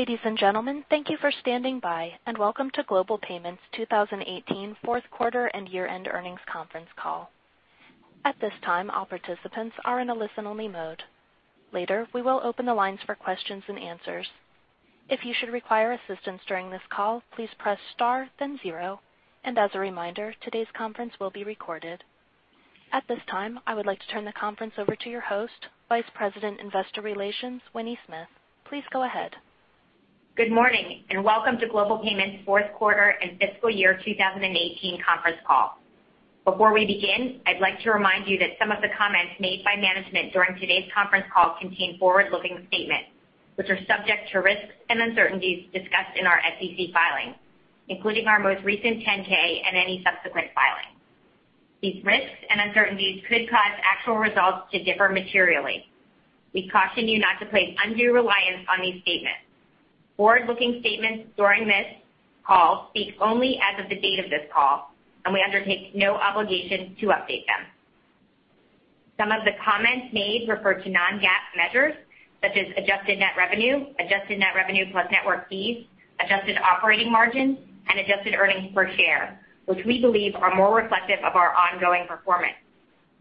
Ladies and gentlemen, thank you for standing by, and Welcome to Global Payments' 2018 Fourth Quarter and Year-End Earnings Conference Call. At this time, all participants are in a listen-only mode. Later, we will open the lines for questions and answers. If you should require assistance during this call, please press star then zero. As a reminder, today's conference will be recorded. At this time, I would like to turn the conference over to your host, Vice President, Investor Relations, Winnie Smith. Please go ahead. Good morning, and Welcome to Global Payments' Fourth Quarter and Fiscal Year 2018 Conference Call. Before we begin, I'd like to remind you that some of the comments made by management during today's conference call contain forward-looking statements, which are subject to risks and uncertainties discussed in our SEC filings, including our most recent 10-K and any subsequent filings. These risks and uncertainties could cause actual results to differ materially. We caution you not to place undue reliance on these statements. Forward-looking statements during this call speak only as of the date of this call. We undertake no obligation to update them. Some of the comments made refer to non-GAAP measures, such as adjusted net revenue, adjusted net revenue plus network fees, adjusted operating margin, and adjusted earnings per share, which we believe are more reflective of our ongoing performance.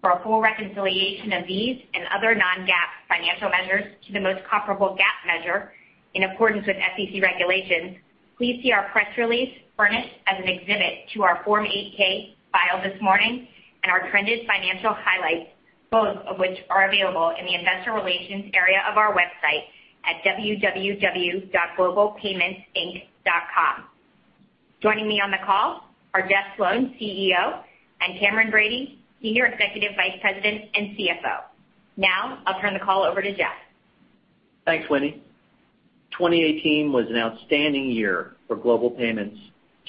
For a full reconciliation of these and other non-GAAP financial measures to the most comparable GAAP measure in accordance with SEC regulations, please see our press release furnished as an exhibit to our Form 8-K filed this morning and our trended financial highlights, both of which are available in the investor relations area of our website at investors.globalpayments.com. Joining me on the call are Jeff Sloan, CEO, and Cameron Bready, Senior Executive Vice President and CFO. I'll turn the call over to Jeff. Thanks, Winnie. 2018 was an outstanding year for Global Payments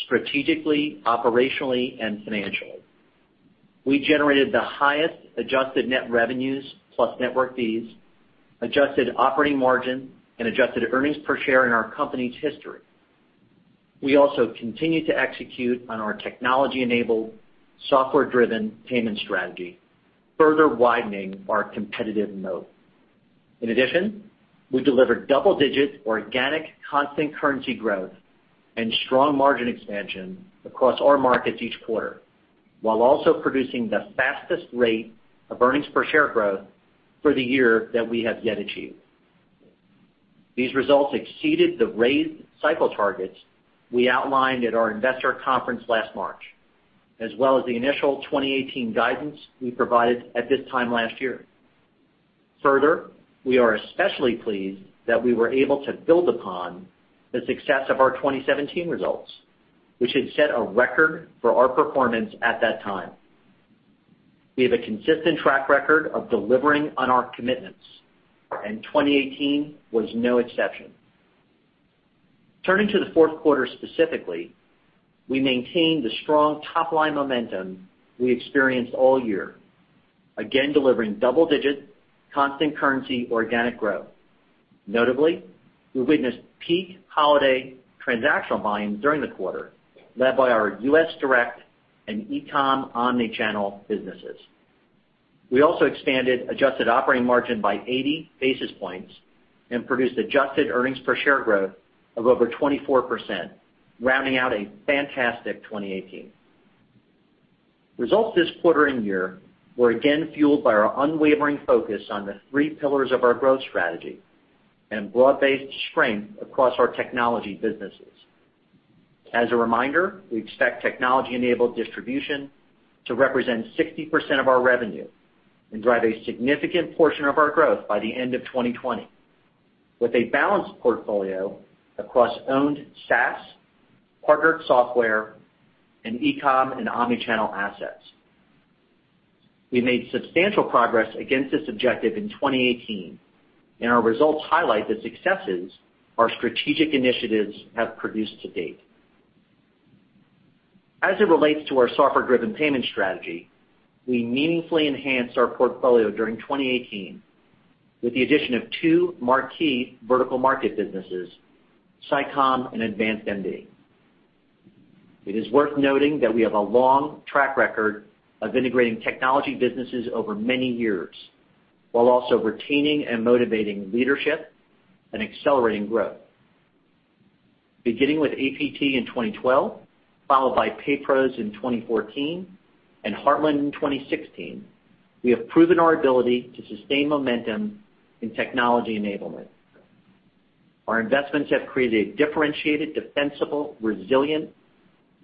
strategically, operationally, and financially. We generated the highest adjusted net revenues plus network fees, adjusted operating margin, and adjusted earnings per share in our company's history. We also continued to execute on our technology-enabled, software-driven payment strategy, further widening our competitive moat. We delivered double-digit organic constant currency growth and strong margin expansion across all markets each quarter, while also producing the fastest rate of earnings per share growth for the year that we have yet achieved. These results exceeded the raised cycle targets we outlined at our investor conference last March, as well as the initial 2018 guidance we provided at this time last year. We are especially pleased that we were able to build upon the success of our 2017 results, which had set a record for our performance at that time. We have a consistent track record of delivering on our commitments, 2018 was no exception. Turning to the fourth quarter specifically, we maintained the strong top-line momentum we experienced all year, again delivering double-digit constant currency organic growth. Notably, we witnessed peak holiday transactional volumes during the quarter led by our U.S. direct and eCom omnichannel businesses. We also expanded adjusted operating margin by 80 basis points and produced adjusted earnings per share growth of over 24%, rounding out a fantastic 2018. Results this quarter and year were again fueled by our unwavering focus on the three pillars of our growth strategy and broad-based strength across our technology businesses. As a reminder, we expect technology-enabled distribution to represent 60% of our revenue and drive a significant portion of our growth by the end of 2020 with a balanced portfolio across owned SaaS, partnered software, and eCom and omnichannel assets. We made substantial progress against this objective in 2018, our results highlight the successes our strategic initiatives have produced to date. As it relates to our software-driven payment strategy, we meaningfully enhanced our portfolio during 2018 with the addition of two marquee vertical market businesses, SICOM and AdvancedMD. It is worth noting that we have a long track record of integrating technology businesses over many years while also retaining and motivating leadership and accelerating growth. Beginning with APT in 2012, followed by PayPros in 2014, and Heartland in 2016, we have proven our ability to sustain momentum in technology enablement. Our investments have created a differentiated, defensible, resilient,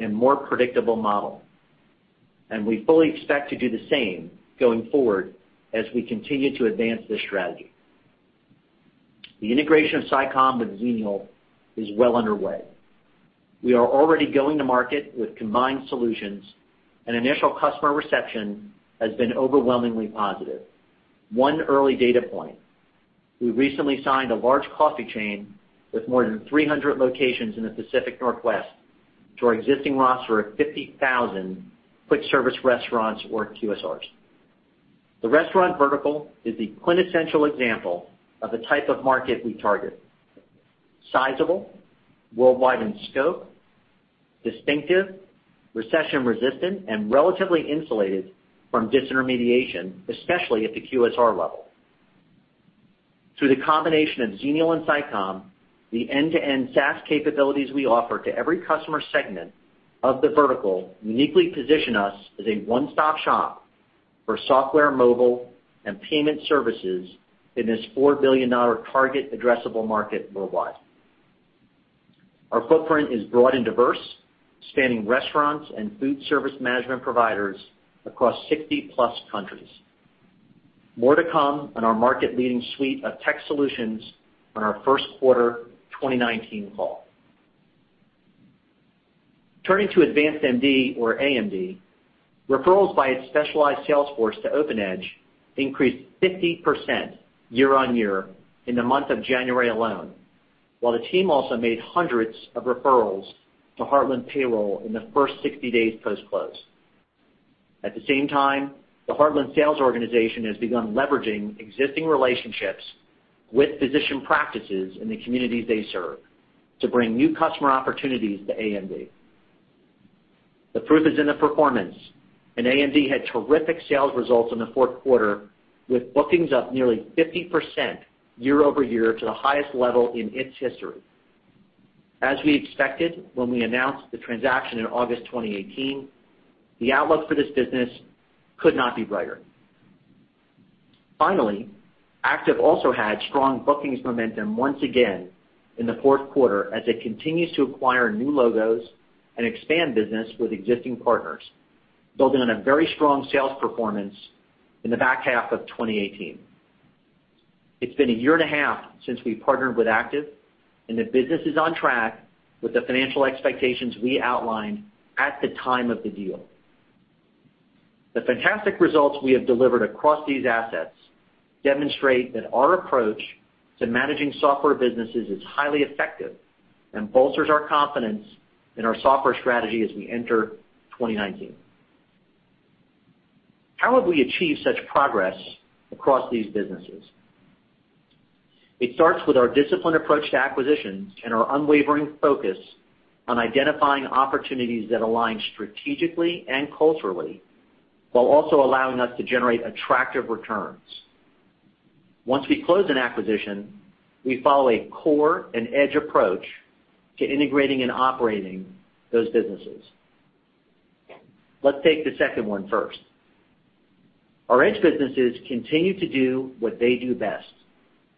and more predictable model, we fully expect to do the same going forward as we continue to advance this strategy. The integration of SICOM with Xenial is well underway. We are already going to market with combined solutions, initial customer reception has been overwhelmingly positive. One early data point, we recently signed a large coffee chain with more than 300 locations in the Pacific Northwest to our existing roster of 50,000 quick-service restaurants or QSRs. The restaurant vertical is the quintessential example of the type of market we target; sizable, worldwide in scope, distinctive, recession-resistant, and relatively insulated from disintermediation, especially at the QSR level. Through the combination of Xenial and SICOM, the end-to-end SaaS capabilities we offer to every customer segment of the vertical uniquely position us as a one-stop shop for software, mobile, and payment services in this $4 billion target addressable market worldwide. Our footprint is broad and diverse, spanning restaurants and food service management providers across 60 plus countries. More to come on our market-leading suite of tech solutions on our first quarter 2019 call. Turning to AdvancedMD, or AMD, referrals by its specialized sales force to OpenEdge increased 50% year-on-year in the month of January alone, while the team also made hundreds of referrals to Heartland Payroll in the first 60 days post-close. At the same time, the Heartland sales organization has begun leveraging existing relationships with physician practices in the communities they serve to bring new customer opportunities to AMD. The proof is in the performance, AMD had terrific sales results in the fourth quarter, with bookings up nearly 50% year-over-year to the highest level in its history. As we expected when we announced the transaction in August 2018, the outlook for this business could not be brighter. Finally, Active also had strong bookings momentum once again in the fourth quarter as it continues to acquire new logos and expand business with existing partners, building on a very strong sales performance in the back half of 2018. It's been a year and a half since we partnered with Active, and the business is on track with the financial expectations we outlined at the time of the deal. The fantastic results we have delivered across these assets demonstrate that our approach to managing software businesses is highly effective and bolsters our confidence in our software strategy as we enter 2019. How have we achieved such progress across these businesses? It starts with our disciplined approach to acquisitions and our unwavering focus on identifying opportunities that align strategically and culturally while also allowing us to generate attractive returns. Once we close an acquisition, we follow a core and edge approach to integrating and operating those businesses. Let's take the second one first. Our edge businesses continue to do what they do best,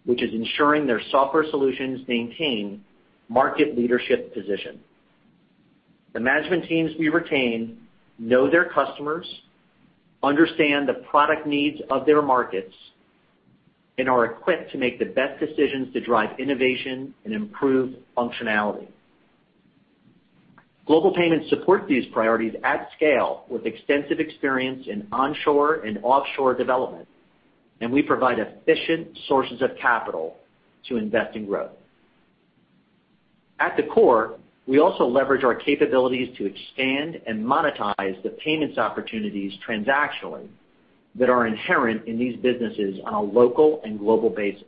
which is ensuring their software solutions maintain market leadership position. The management teams we retain know their customers, understand the product needs of their markets, and are equipped to make the best decisions to drive innovation and improve functionality. Global Payments support these priorities at scale with extensive experience in onshore and offshore development, and we provide efficient sources of capital to invest in growth. At the core, we also leverage our capabilities to expand and monetize the payments opportunities transactionally that are inherent in these businesses on a local and global basis.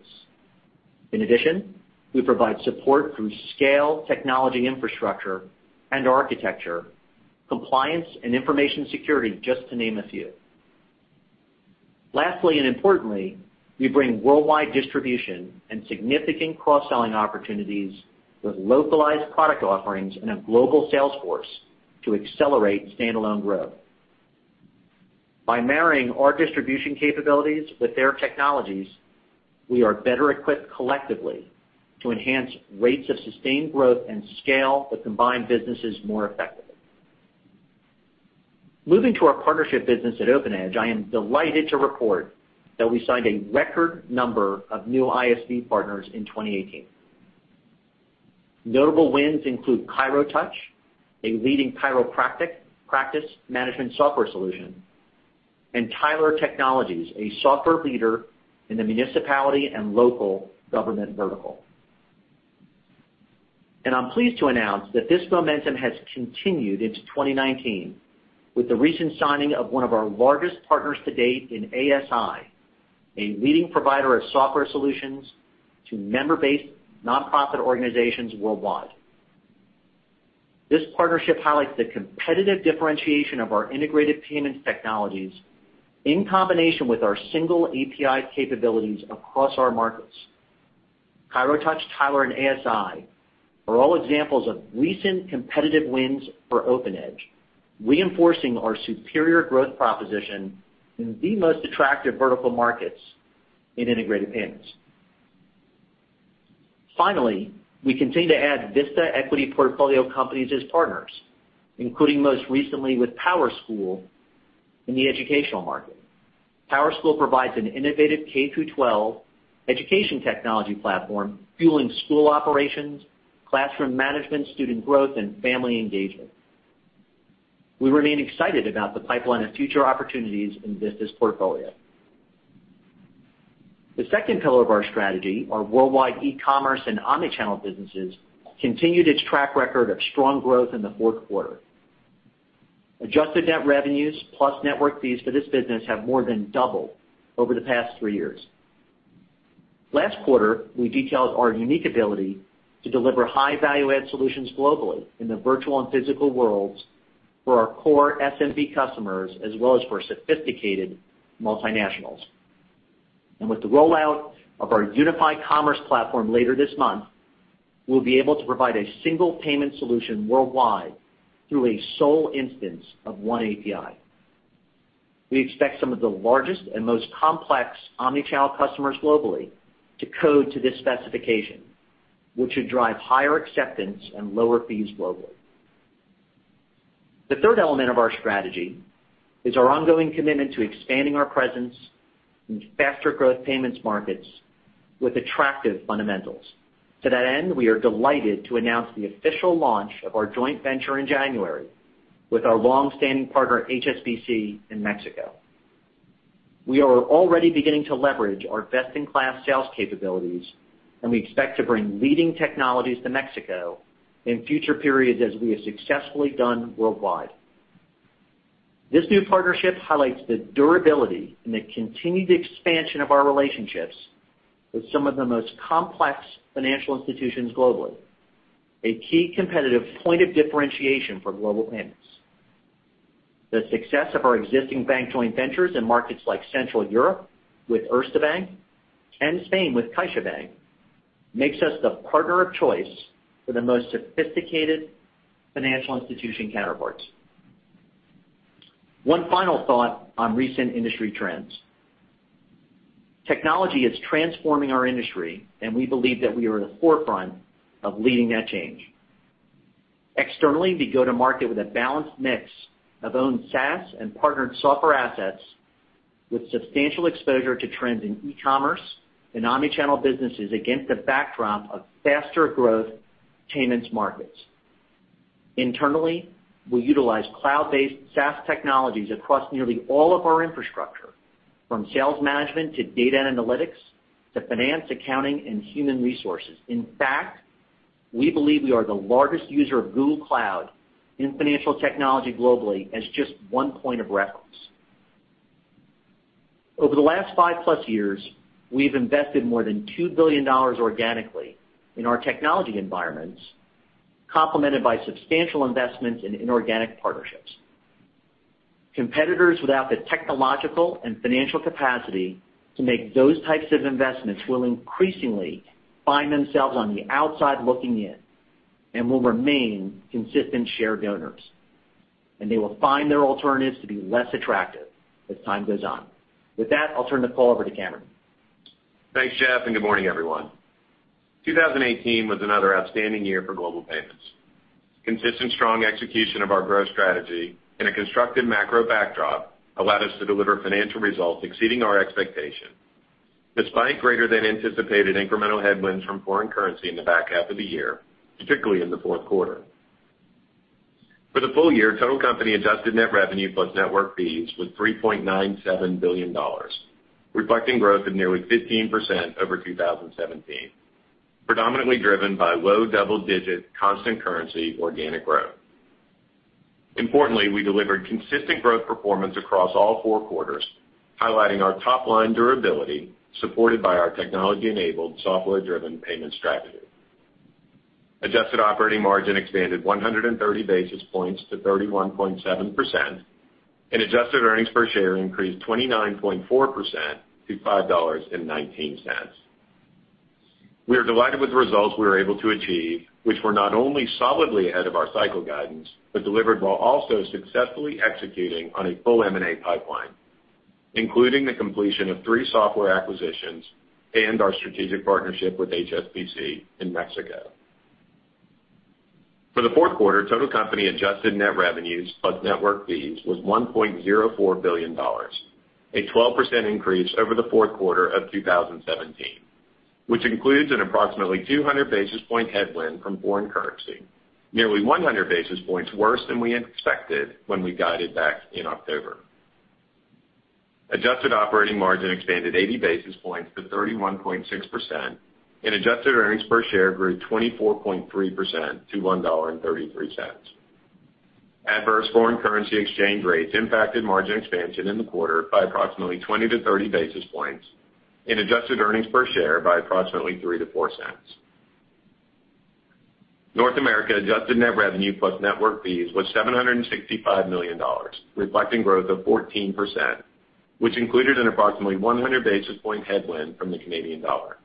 In addition, we provide support through scale, technology infrastructure and architecture, compliance and information security, just to name a few. Lastly, and importantly, we bring worldwide distribution and significant cross-selling opportunities with localized product offerings and a global sales force to accelerate standalone growth. By marrying our distribution capabilities with their technologies, we are better equipped collectively to enhance rates of sustained growth and scale the combined businesses more effectively. Moving to our partnership business at OpenEdge, I am delighted to report that we signed a record number of new ISV partners in 2018. Notable wins include ChiroTouch, a leading chiropractic practice management software solution, and Tyler Technologies, a software leader in the municipality and local government vertical. I'm pleased to announce that this momentum has continued into 2019 with the recent signing of one of our largest partners to date in ASI, a leading provider of software solutions to member-based nonprofit organizations worldwide. This partnership highlights the competitive differentiation of our integrated payments technologies in combination with our single API capabilities across our markets. ChiroTouch, Tyler, and ASI are all examples of recent competitive wins for OpenEdge, reinforcing our superior growth proposition in the most attractive vertical markets in integrated payments. Finally, we continue to add Vista Equity portfolio companies as partners, including most recently with PowerSchool in the educational market. PowerSchool provides an innovative K-12 education technology platform fueling school operations, classroom management, student growth, and family engagement. We remain excited about the pipeline of future opportunities in Vista's portfolio. The second pillar of our strategy, our worldwide e-commerce and omnichannel businesses, continued its track record of strong growth in the fourth quarter. Adjusted net revenues plus network fees for this business have more than doubled over the past three years. Last quarter, we detailed our unique ability to deliver high value-add solutions globally in the virtual and physical worlds for our core SMB customers, as well as for sophisticated multinationals. With the rollout of our unified commerce platform later this month, we'll be able to provide a single payment solution worldwide through a sole instance of one API. We expect some of the largest and most complex omni-channel customers globally to code to this specification, which should drive higher acceptance and lower fees globally. The third element of our strategy is our ongoing commitment to expanding our presence in faster growth payments markets with attractive fundamentals. To that end, we are delighted to announce the official launch of our joint venture in January with our long-standing partner, HSBC, in Mexico. We are already beginning to leverage our best-in-class sales capabilities, and we expect to bring leading technologies to Mexico in future periods as we have successfully done worldwide. This new partnership highlights the durability and the continued expansion of our relationships with some of the most complex financial institutions globally, a key competitive point of differentiation for Global Payments. The success of our existing bank joint ventures in markets like Central Europe with Erste Bank and Spain with CaixaBank makes us the partner of choice for the most sophisticated financial institution counterparts. One final thought on recent industry trends. Technology is transforming our industry, and we believe that we are at the forefront of leading that change. Externally, we go to market with a balanced mix of owned SaaS and partnered software assets with substantial exposure to trends in e-commerce and omni-channel businesses against a backdrop of faster growth payments markets. Internally, we utilize cloud-based SaaS technologies across nearly all of our infrastructure, from sales management to data and analytics, to finance, accounting, and human resources. In fact, we believe we are the largest user of Google Cloud in financial technology globally as just one point of reference. Over the last 5+ years, we've invested more than $2 billion organically in our technology environments, complemented by substantial investments in inorganic partnerships. Competitors without the technological and financial capacity to make those types of investments will increasingly find themselves on the outside looking in and will remain consistent share donors. They will find their alternatives to be less attractive as time goes on. With that, I'll turn the call over to Cameron. Thanks, Jeff, and good morning, everyone. 2018 was another outstanding year for Global Payments. Consistent strong execution of our growth strategy in a constructive macro backdrop allowed us to deliver financial results exceeding our expectation, despite greater than anticipated incremental headwinds from foreign currency in the back half of the year, particularly in the fourth quarter. For the full year, total company adjusted net revenue plus network fees was $3.97 billion, reflecting growth of nearly 15% over 2017, predominantly driven by low double-digit constant currency organic growth. Importantly, we delivered consistent growth performance across all four quarters, highlighting our top-line durability supported by our technology-enabled, software-driven payment strategy. Adjusted operating margin expanded 130 basis points to 31.7%, and adjusted earnings per share increased 29.4% to $5.19. We are delighted with the results we were able to achieve, which were not only solidly ahead of our cycle guidance, but delivered while also successfully executing on a full M&A pipeline, including the completion of three software acquisitions and our strategic partnership with HSBC in Mexico. For the fourth quarter, total company adjusted net revenues plus network fees was $1.04 billion, a 12% increase over the fourth quarter of 2017, which includes an approximately 200 basis point headwind from foreign currency, nearly 100 basis points worse than we had expected when we guided back in October. Adjusted operating margin expanded 80 basis points to 31.6%, and adjusted earnings per share grew 24.3% to $1.33. Adverse foreign currency exchange rates impacted margin expansion in the quarter by approximately 20 to 30 basis points and adjusted earnings per share by approximately $0.03-0.04. North America adjusted net revenue plus network fees was $765 million, reflecting growth of 14%, which included an approximately 100 basis point headwind from the Canadian dollar.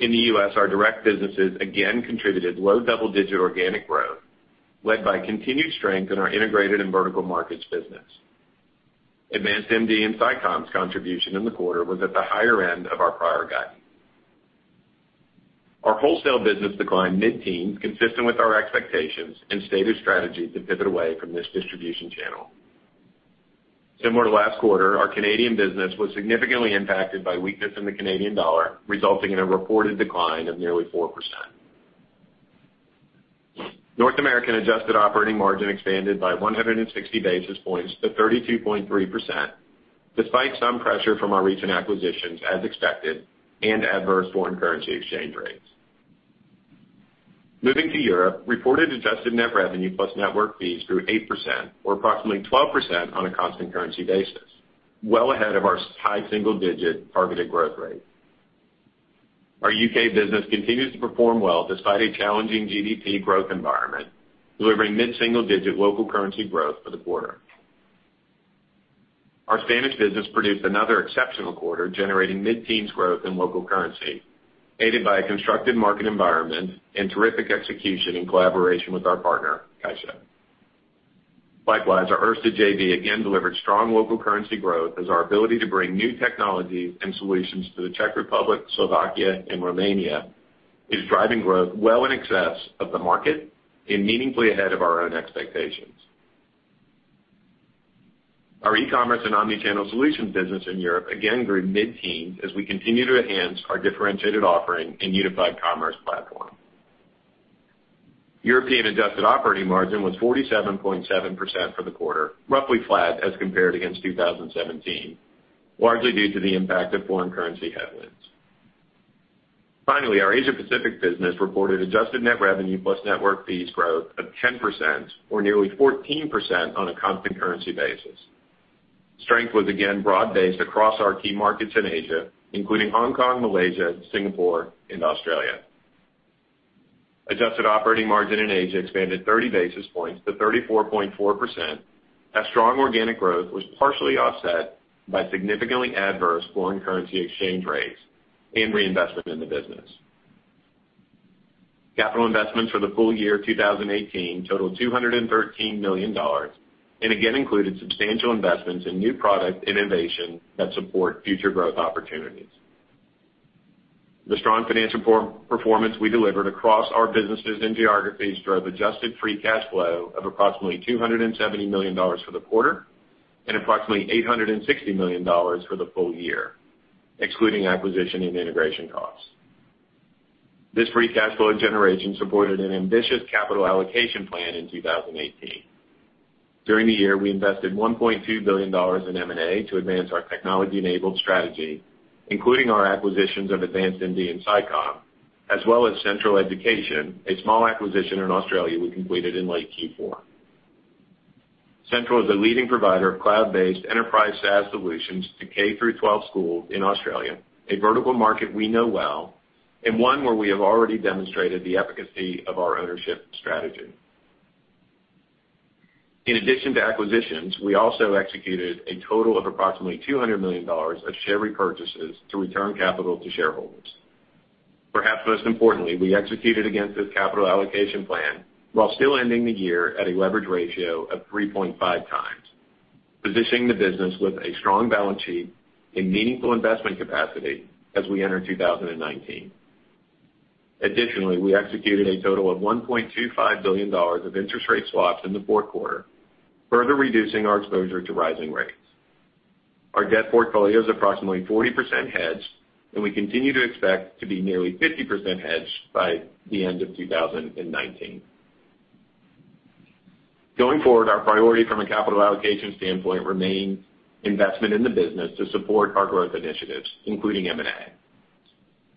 In the U.S., our direct businesses again contributed low double-digit organic growth, led by continued strength in our integrated and vertical markets business. AdvancedMD and SICOM's contribution in the quarter was at the higher end of our prior guidance. Our wholesale business declined mid-teens, consistent with our expectations and stated strategy to pivot away from this distribution channel. Similar to last quarter, our Canadian business was significantly impacted by weakness in the Canadian dollar, resulting in a reported decline of nearly 4%. North American adjusted operating margin expanded by 160 basis points to 32.3%, despite some pressure from our recent acquisitions, as expected, and adverse foreign currency exchange rates. Moving to Europe, reported adjusted net revenue plus network fees grew 8%, or approximately 12% on a constant currency basis, well ahead of our high single-digit targeted growth rate. Our U.K. business continues to perform well despite a challenging GDP growth environment, delivering mid-single digit local currency growth for the quarter. Our Spanish business produced another exceptional quarter, generating mid-teens growth in local currency, aided by a constructive market environment and terrific execution in collaboration with our partner, Caixa. Likewise, our Erste JV again delivered strong local currency growth as our ability to bring new technologies and solutions to the Czech Republic, Slovakia, and Romania is driving growth well in excess of the market and meaningfully ahead of our own expectations. Our e-commerce and omni-channel solutions business in Europe again grew mid-teens as we continue to enhance our differentiated offering in unified commerce platform. European adjusted operating margin was 47.7% for the quarter, roughly flat as compared against 2017, largely due to the impact of foreign currency headwinds. Finally, our Asia Pacific business reported adjusted net revenue plus network fees growth of 10% or nearly 14% on a constant currency basis. Strength was again broad-based across our key markets in Asia, including Hong Kong, Malaysia, Singapore, and Australia. Adjusted operating margin in Asia expanded 30 basis points to 34.4% as strong organic growth was partially offset by significantly adverse foreign currency exchange rates and reinvestment in the business. Capital investments for the full year 2018 totaled $213 million and again included substantial investments in new product innovation that support future growth opportunities. The strong financial performance we delivered across our businesses and geographies drove adjusted free cash flow of approximately $270 million for the quarter and approximately $860 million for the full year, excluding acquisition and integration costs. This free cash flow generation supported an ambitious capital allocation plan in 2018. During the year, we invested $1.2 billion in M&A to advance our technology-enabled strategy, including our acquisitions of AdvancedMD and SICOM, as well as Sentral Education, a small acquisition in Australia we completed in late Q4. Sentral is a leading provider of cloud-based enterprise SaaS solutions to K-12 schools in Australia, a vertical market we know well and one where we have already demonstrated the efficacy of our ownership strategy. In addition to acquisitions, we also executed a total of approximately $200 million of share repurchases to return capital to shareholders. Perhaps most importantly, we executed against this capital allocation plan while still ending the year at a leverage ratio of 3.5x, positioning the business with a strong balance sheet and meaningful investment capacity as we enter 2019. Additionally, we executed a total of $1.25 billion of interest rate swaps in the fourth quarter, further reducing our exposure to rising rates. Our debt portfolio is approximately 40% hedged, and we continue to expect to be nearly 50% hedged by the end of 2019. Going forward, our priority from a capital allocation standpoint remains investment in the business to support our growth initiatives, including M&A.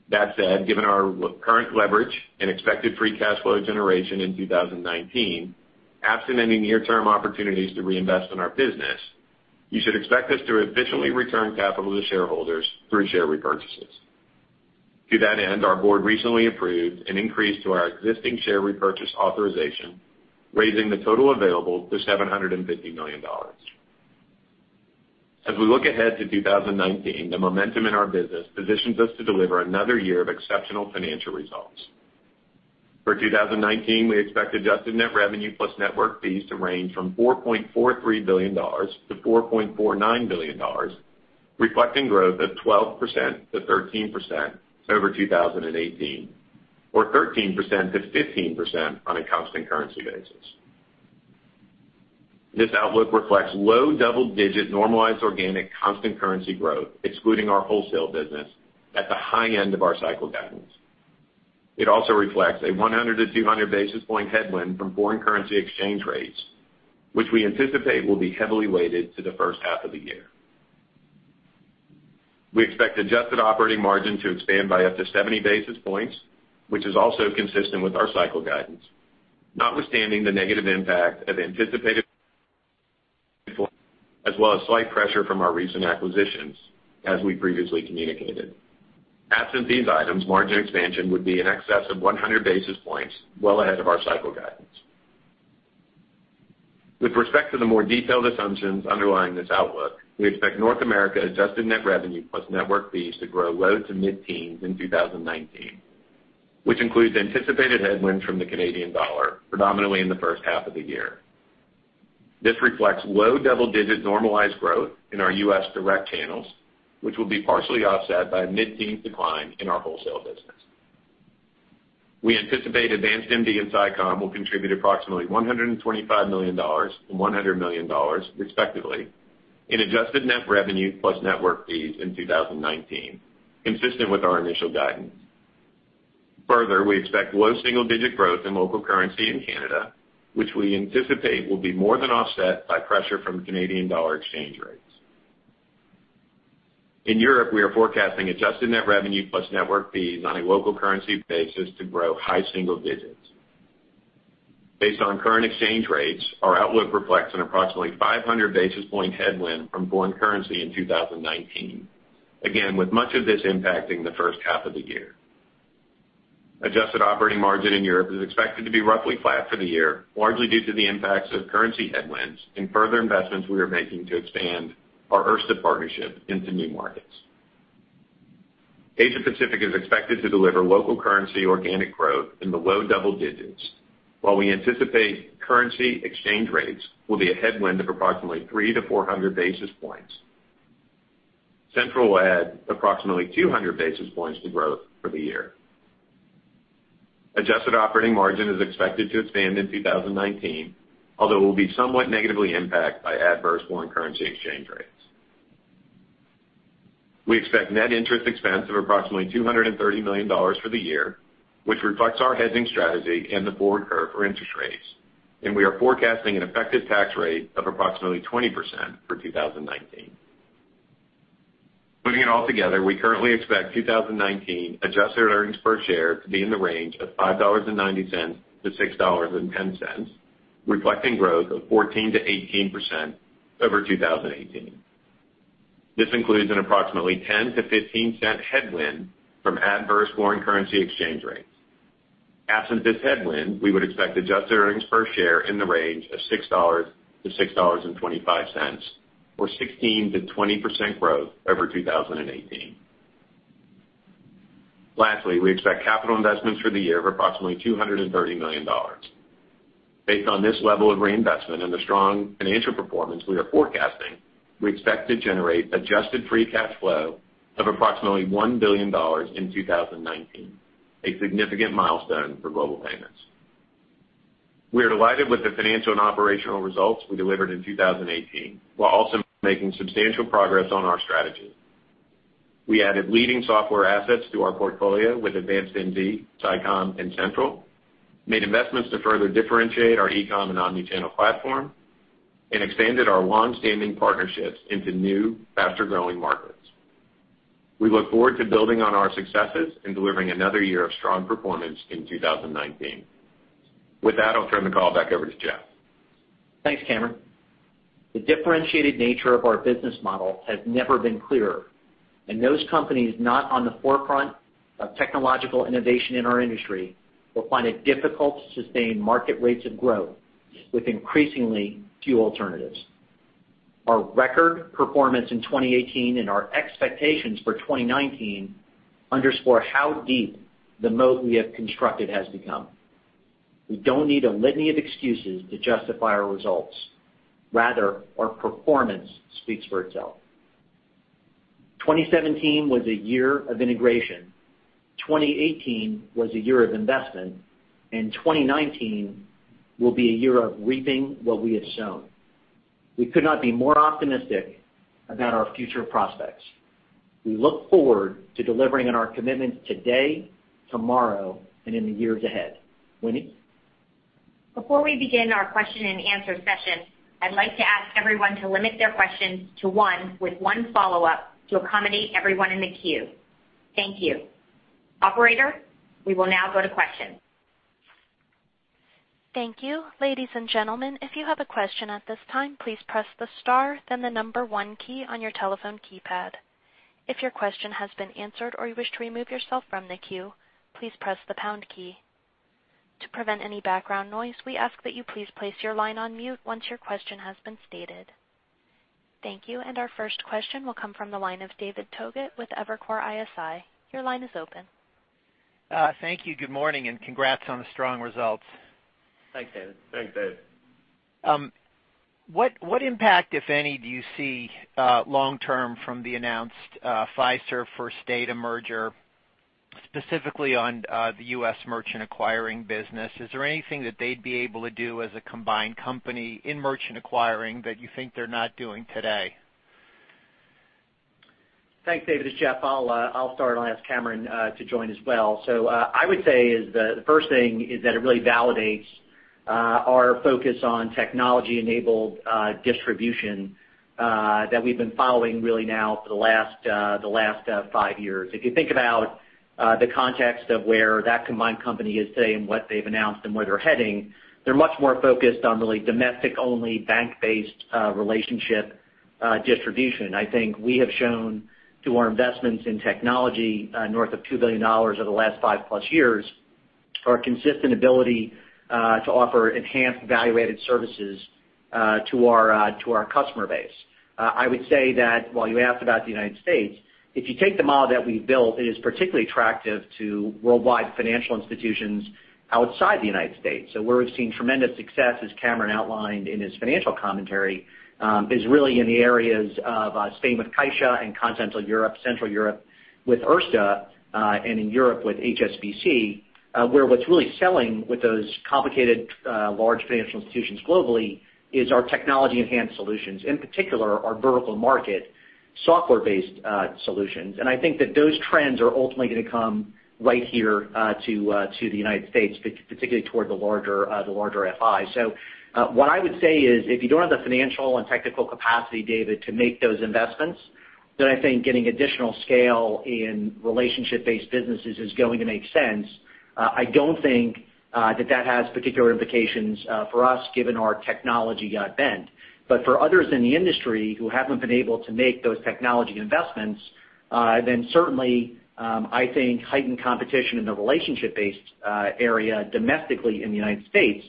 That said, given our current leverage and expected free cash flow generation in 2019, absent any near-term opportunities to reinvest in our business, you should expect us to efficiently return capital to shareholders through share repurchases. To that end, our Board recently approved an increase to our existing share repurchase authorization, raising the total available to $750 million. As we look ahead to 2019, the momentum in our business positions us to deliver another year of exceptional financial results. For 2019, we expect adjusted net revenue plus network fees to range from $4.43 billion-4.49 billion, reflecting growth of 12%-13% over 2018, or 13%-15% on a constant currency basis. This outlook reflects low double-digit normalized organic constant currency growth, excluding our wholesale business, at the high end of our cycle guidance. It also reflects a 100 basis points-200 basis points headwind from foreign currency exchange rates, which we anticipate will be heavily weighted to the first half of the year. We expect adjusted operating margin to expand by up to 70 basis points, which is also consistent with our cycle guidance. Notwithstanding the negative impact of anticipated as well as slight pressure from our recent acquisitions, as we previously communicated. Absent these items, margin expansion would be in excess of 100 basis points, well ahead of our cycle guidance. With respect to the more detailed assumptions underlying this outlook, we expect North America adjusted net revenue plus network fees to grow low to mid-teens in 2019, which includes anticipated headwinds from the Canadian dollar, predominantly in the first half of the year. This reflects low double-digit normalized growth in our U.S. direct channels, which will be partially offset by a mid-teen decline in our wholesale business. We anticipate AdvancedMD and SICOM will contribute approximately $125 million and 100 million, respectively, in adjusted net revenue plus network fees in 2019, consistent with our initial guidance. Further, we expect low single-digit growth in local currency in Canada, which we anticipate will be more than offset by pressure from Canadian dollar exchange rate. In Europe, we are forecasting adjusted net revenue plus network fees on a local currency basis to grow high single digits. Based on current exchange rates, our outlook reflects an approximately 500 basis point headwind from foreign currency in 2019. Again, with much of this impacting the first half of the year. Adjusted operating margin in Europe is expected to be roughly flat for the year, largely due to the impacts of currency headwinds and further investments we are making to expand our Erste partnership into new markets. Asia Pacific is expected to deliver local currency organic growth in the low double digits. While we anticipate currency exchange rates will be a headwind of approximately 300 basis points-400 basis points. Sentral will add approximately 200 basis points to growth for the year. Adjusted operating margin is expected to expand in 2019, although it will be somewhat negatively impact by adverse foreign currency exchange rates. We expect net interest expense of approximately $230 million for the year, which reflects our hedging strategy and the forward curve for interest rates. We are forecasting an effective tax rate of approximately 20% for 2019. Putting it all together, we currently expect 2019 adjusted earnings per share to be in the range of $5.90-6.10, reflecting growth of 14%-18% over 2018. This includes an approximately $0.10-0.15 headwind from adverse foreign currency exchange rates. Absent this headwind, we would expect adjusted earnings per share in the range of $6.00-6.25, or 16%-20% growth over 2018. We expect capital investments for the year of approximately $230 million. Based on this level of reinvestment and the strong financial performance we are forecasting, we expect to generate adjusted free cash flow of approximately $1 billion in 2019, a significant milestone for Global Payments. We are delighted with the financial and operational results we delivered in 2018, while also making substantial progress on our strategy. We added leading software assets to our portfolio with AdvancedMD, SICOM, and Sentral, made investments to further differentiate our eCom and Omnichannel platform. We expanded our long-standing partnerships into new, faster-growing markets. We look forward to building on our successes and delivering another year of strong performance in 2019. With that, I'll turn the call back over to Jeff. Thanks, Cameron. The differentiated nature of our business model has never been clearer. Those companies not on the forefront of technological innovation in our industry will find it difficult to sustain market rates of growth with increasingly few alternatives. Our record performance in 2018 and our expectations for 2019 underscore how deep the moat we have constructed has become. We don't need a litany of excuses to justify our results. Rather, our performance speaks for itself. 2017 was a year of integration. 2018 was a year of investment. 2019 will be a year of reaping what we have sown. We could not be more optimistic about our future prospects. We look forward to delivering on our commitment today, tomorrow, and in the years ahead. Winnie? Before we begin our question and answer session, I'd like to ask everyone to limit their questions to one with one follow-up to accommodate everyone in the queue. Thank you. Operator, we will now go to questions. Thank you. Ladies and gentlemen, if you have a question at this time, please press the star, then the number one key on your telephone keypad. If your question has been answered or you wish to remove yourself from the queue, please press the pound key. To prevent any background noise, we ask that you please place your line on mute once your question has been stated. Thank you. Our first question will come from the line of David Togut with Evercore ISI. Your line is open. Thank you. Good morning. Congrats on the strong results. Thanks, David. Thanks, David. What impact, if any, do you see long-term from the announced Fiserv-First Data merger, specifically on the U.S. merchant acquiring business? Is there anything that they'd be able to do as a combined company in merchant acquiring that you think they're not doing today? Thanks, David. It's Jeff. I'll start, and I'll ask Cameron to join as well. I would say is the first thing is that it really validates our focus on technology-enabled distribution that we've been following really now for the last five years. If you think about the context of where that combined company is today and what they've announced and where they're heading, they're much more focused on really domestic-only, bank-based relationship distribution. I think we have shown to our investments in technology, north of $2 billion over the last 5+ years, our consistent ability to offer enhanced value-added services to our customer base. I would say that while you asked about the United States, if you take the model that we've built, it is particularly attractive to worldwide financial institutions outside the United States. Where we've seen tremendous success, as Cameron outlined in his financial commentary, is really in the areas of Spain with Caixa and Continental Europe, Central Europe, with Erste, and in Europe with HSBC, where what's really selling with those complicated, large financial institutions globally is our technology-enhanced solutions, in particular, our vertical market software-based solutions. I think that those trends are ultimately going to come right here to the United States, particularly toward the larger FIs. What I would say is, if you don't have the financial and technical capacity, David, to make those investments. Then I think getting additional scale in relationship-based businesses is going to make sense. I don't think that that has particular implications for us, given our technology bent. For others in the industry who haven't been able to make those technology investments, then certainly, I think heightened competition in the relationship-based area domestically in the United States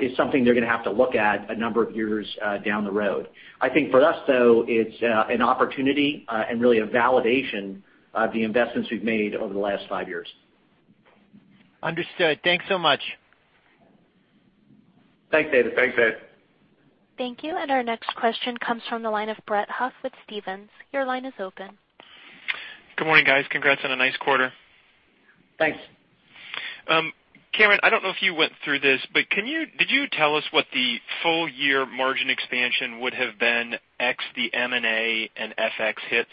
is something they're going to have to look at a number of years down the road. I think for us, though, it's an opportunity and really a validation of the investments we've made over the last five years. Understood. Thanks so much. Thanks, David. Thanks, David. Thank you. Our next question comes from the line of Brett Huff with Stephens. Your line is open. Good morning, guys. Congrats on a nice quarter. Thanks. Cameron, I don't know if you went through this, but did you tell us what the full-year margin expansion would have been, ex the M&A and FX hits?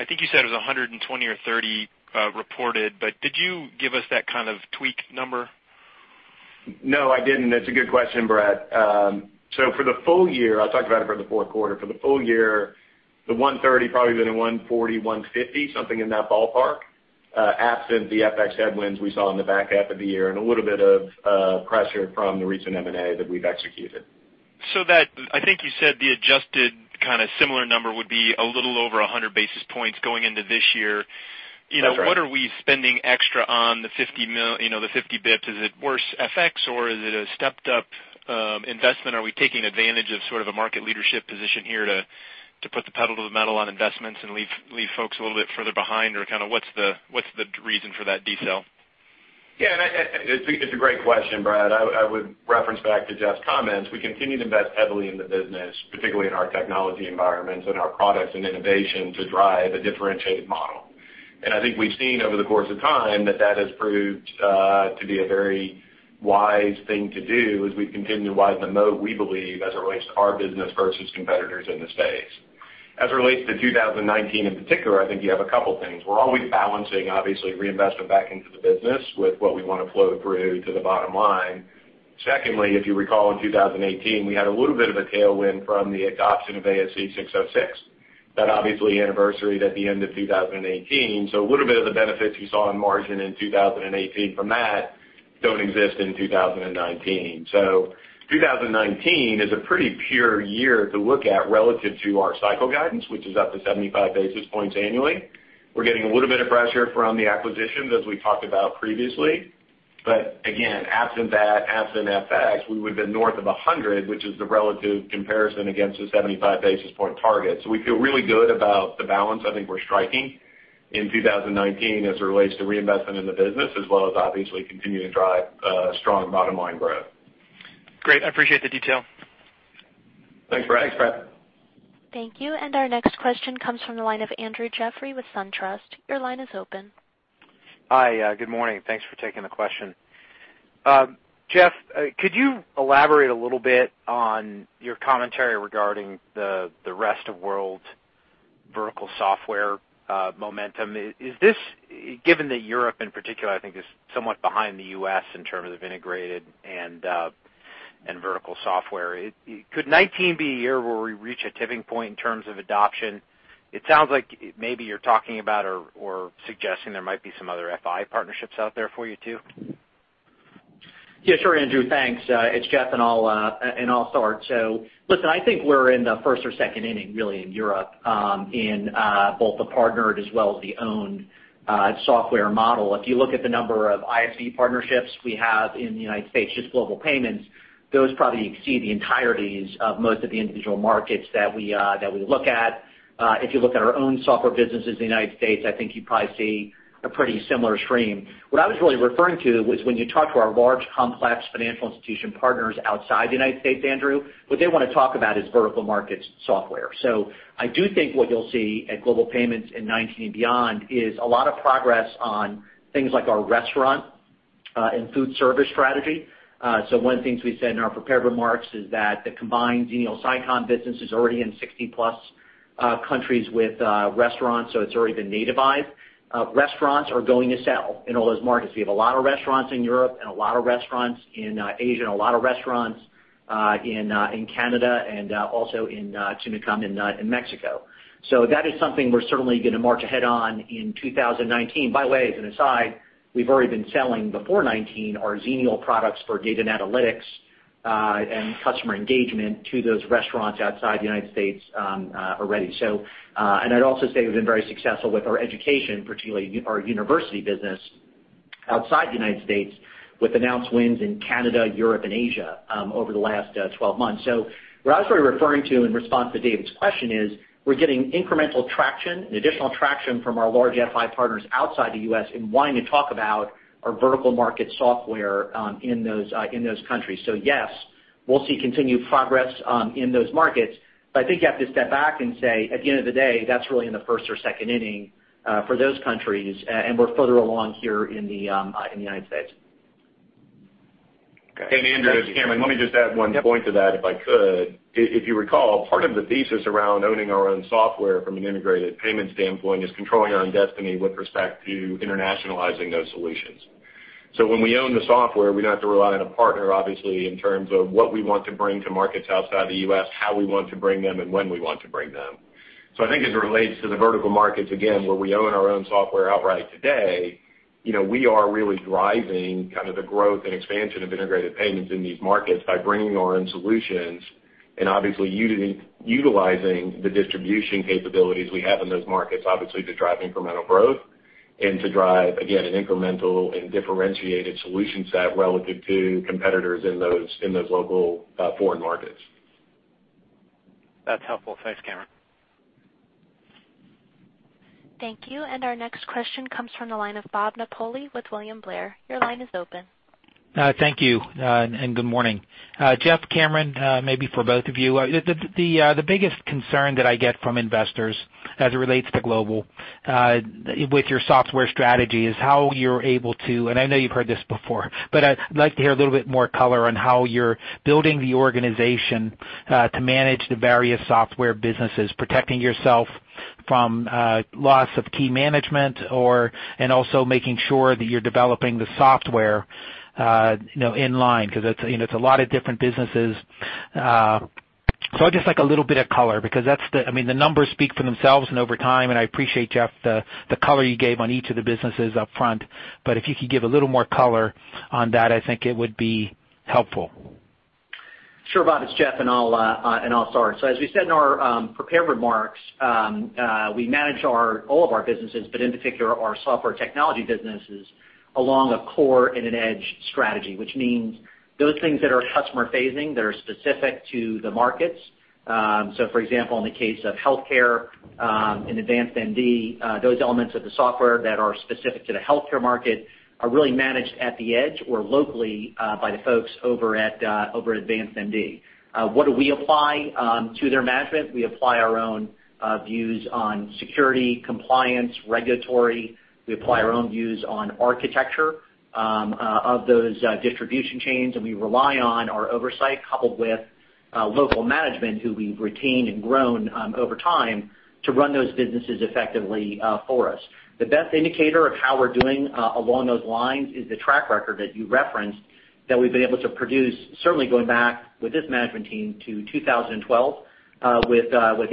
I think you said it was 120 or 130 reported, but did you give us that kind of tweaked number? No, I didn't. That's a good question, Brett. I talked about it for the fourth quarter. For the full year, the 130 basis points probably would've been a 140 basis points, 150 basis points, something in that ballpark. Absent the FX headwinds we saw in the back half of the year and a little bit of pressure from the recent M&A that we've executed. That, I think you said the adjusted kind of similar number would be a little over 100 basis points going into this year. That's right. What are we spending extra on the 50 basis points? Is it worse FX, or is it a stepped-up investment? Are we taking advantage of sort of a market leadership position here to put the pedal to the metal on investments and leave folks a little bit further behind? What's the reason for that detail? It's a great question, Brett. I would reference back to Jeff's comments. We continue to invest heavily in the business, particularly in our technology environments and our products and innovation to drive a differentiated model. I think we've seen over the course of time that that has proved to be a very wise thing to do as we continue to widen the moat, we believe, as it relates to our business versus competitors in the space. As it relates to 2019 in particular, I think you have a couple things. We're always balancing, obviously, reinvestment back into the business with what we want to flow through to the bottom line. Secondly, if you recall, in 2018, we had a little bit of a tailwind from the adoption of ASC 606. That obviously anniversaried at the end of 2018. A little bit of the benefits you saw in margin in 2018 from that don't exist in 2019. 2019 is a pretty pure year to look at relative to our cycle guidance, which is up to 75 basis points annually. We're getting a little bit of pressure from the acquisitions, as we talked about previously. Again, absent that, absent FX, we would've been north of 100 basis points, which is the relative comparison against the 75 basis point target. We feel really good about the balance I think we're striking in 2019 as it relates to reinvestment in the business, as well as obviously continuing to drive strong bottom-line growth. Great. I appreciate the detail. Thanks, Brett. Thanks, Brett. Thank you. Our next question comes from the line of Andrew Jeffrey with SunTrust. Your line is open. Hi, good morning. Thanks for taking the question. Jeff, could you elaborate a little bit on your commentary regarding the Rest of World vertical software momentum? Given that Europe in particular, I think is somewhat behind the U.S. in terms of integrated and vertical software, could 2019 be a year where we reach a tipping point in terms of adoption? It sounds like maybe you're talking about or suggesting there might be some other FI partnerships out there for you, too. Yeah, sure, Andrew. Thanks. It's Jeff, and I'll start. Listen, I think we're in the first or second inning, really, in Europe in both the partnered as well as the owned software model. If you look at the number of ISV partnerships we have in the United States, just Global Payments, those probably exceed the entireties of most of the individual markets that we look at. If you look at our own software businesses in the United States, I think you probably see a pretty similar stream. What I was really referring to was when you talk to our large, complex financial institution partners outside the United States, Andrew, what they want to talk about is vertical market software. I do think what you'll see at Global Payments in 2019 and beyond is a lot of progress on things like our restaurant and food service strategy. One of the things we said in our prepared remarks is that the combined Xenial-SICOM business is already in 60-plus countries with restaurants, it's already been nativized. Restaurants are going to sell in all those markets. We have a lot of restaurants in Europe and a lot of restaurants in Asia and a lot of restaurants in Canada and also soon to come in Mexico. That is something we're certainly going to march ahead on in 2019. By the way, as an aside, we've already been selling before 2019 our Xenial products for data and analytics and customer engagement to those restaurants outside the United States already. I'd also say we've been very successful with our education, particularly our university business outside the United States with announced wins in Canada, Europe, and Asia over the last 12 months. What I was really referring to in response to David's question is we're getting incremental traction and additional traction from our large FI partners outside the U.S. in wanting to talk about our vertical market software in those countries. Yes, we'll see continued progress in those markets. I think you have to step back and say, at the end of the day, that's really in the first or second inning for those countries, and we're further along here in the United States. Andrew, it's Cameron. Let me just add one point to that, if I could. If you recall, part of the thesis around owning our own software from an integrated payment standpoint is controlling our own destiny with respect to internationalizing those solutions. When we own the software, we don't have to rely on a partner, obviously, in terms of what we want to bring to markets outside the U.S., how we want to bring them, and when we want to bring them. I think as it relates to the vertical markets, again, where we own our own software outright today, we are really driving the growth and expansion of integrated payments in these markets by bringing our own solutions and obviously utilizing the distribution capabilities we have in those markets, obviously to drive incremental growth and to drive, again, an incremental and differentiated solution set relative to competitors in those local foreign markets. That's helpful. Thanks, Cameron. Thank you. Our next question comes from the line of Robert Napoli with William Blair. Your line is open. Thank you, and good morning. Jeff, Cameron, maybe for both of you. The biggest concern that I get from investors as it relates to Global with your software strategy is how you're able to, I know you've heard this before, but I'd like to hear a little bit more color on how you're building the organization to manage the various software businesses, protecting yourself from loss of key management developing the software inline, because it's a lot of different businesses. I'd just like a little bit of color because the numbers speak for themselves over time, I appreciate, Jeff, the color you gave on each of the businesses upfront, but if you could give a little more color on that, I think it would be helpful. Sure, Bob, it's Jeff, I'll start. As we said in our prepared remarks, we manage all of our businesses, but in particular our software technology businesses along a core an edge strategy, which means those things that are customer phasing, that are specific to the markets. For example, in the case of healthcare AdvancedMD, those elements of the software that are specific to the healthcare market are really managed at the edge or locally by the folks over at AdvancedMD. What do we apply to their management? We apply our own views on security, compliance, regulatory. We apply our own views on architecture of those distribution chains, we rely on our oversight coupled with local management who we've retained grown over time to run those businesses effectively for us. The best indicator of how we're doing along those lines is the track record that you referenced that we've been able to produce, certainly going back with this management team to 2012 with APT.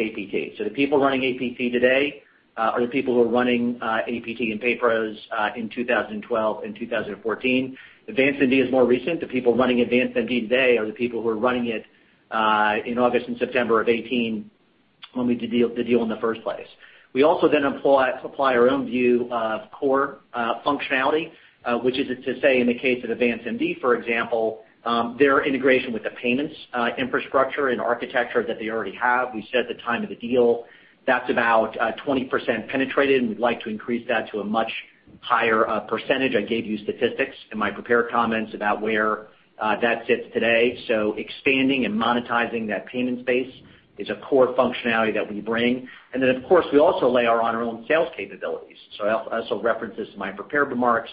The people running APT today are the people who were running APT and PayPros in 2012 and 2014. AdvancedMD is more recent. The people running AdvancedMD today are the people who were running it in August and September of 2018 when we did the deal in the first place. We also then apply our own view of core functionality, which is to say in the case of AdvancedMD, for example, their integration with the payments infrastructure and architecture that they already have. We said at the time of the deal, that's about 20% penetrated, and we'd like to increase that to a much higher percentage. I gave you statistics in my prepared comments about where that sits today. Expanding and monetizing that payment space is a core functionality that we bring. Of course, we also layer on our own sales capabilities. I also reference this in my prepared remarks,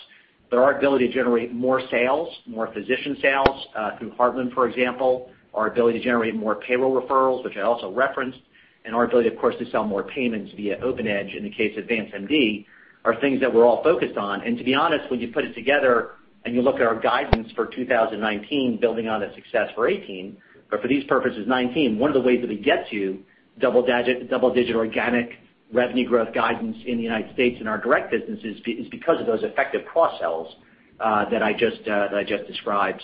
but our ability to generate more sales, more physician sales through Heartland, for example, our ability to generate more payroll referrals, which I also referenced, and our ability, of course, to sell more payments via OpenEdge in the case of AdvancedMD, are things that we're all focused on. To be honest, when you put it together and you look at our guidance for 2019, building on the success for 2018, but for these purposes, 2019, one of the ways that we get to double-digit organic revenue growth guidance in the United States and our direct businesses is because of those effective cross-sells that I just described.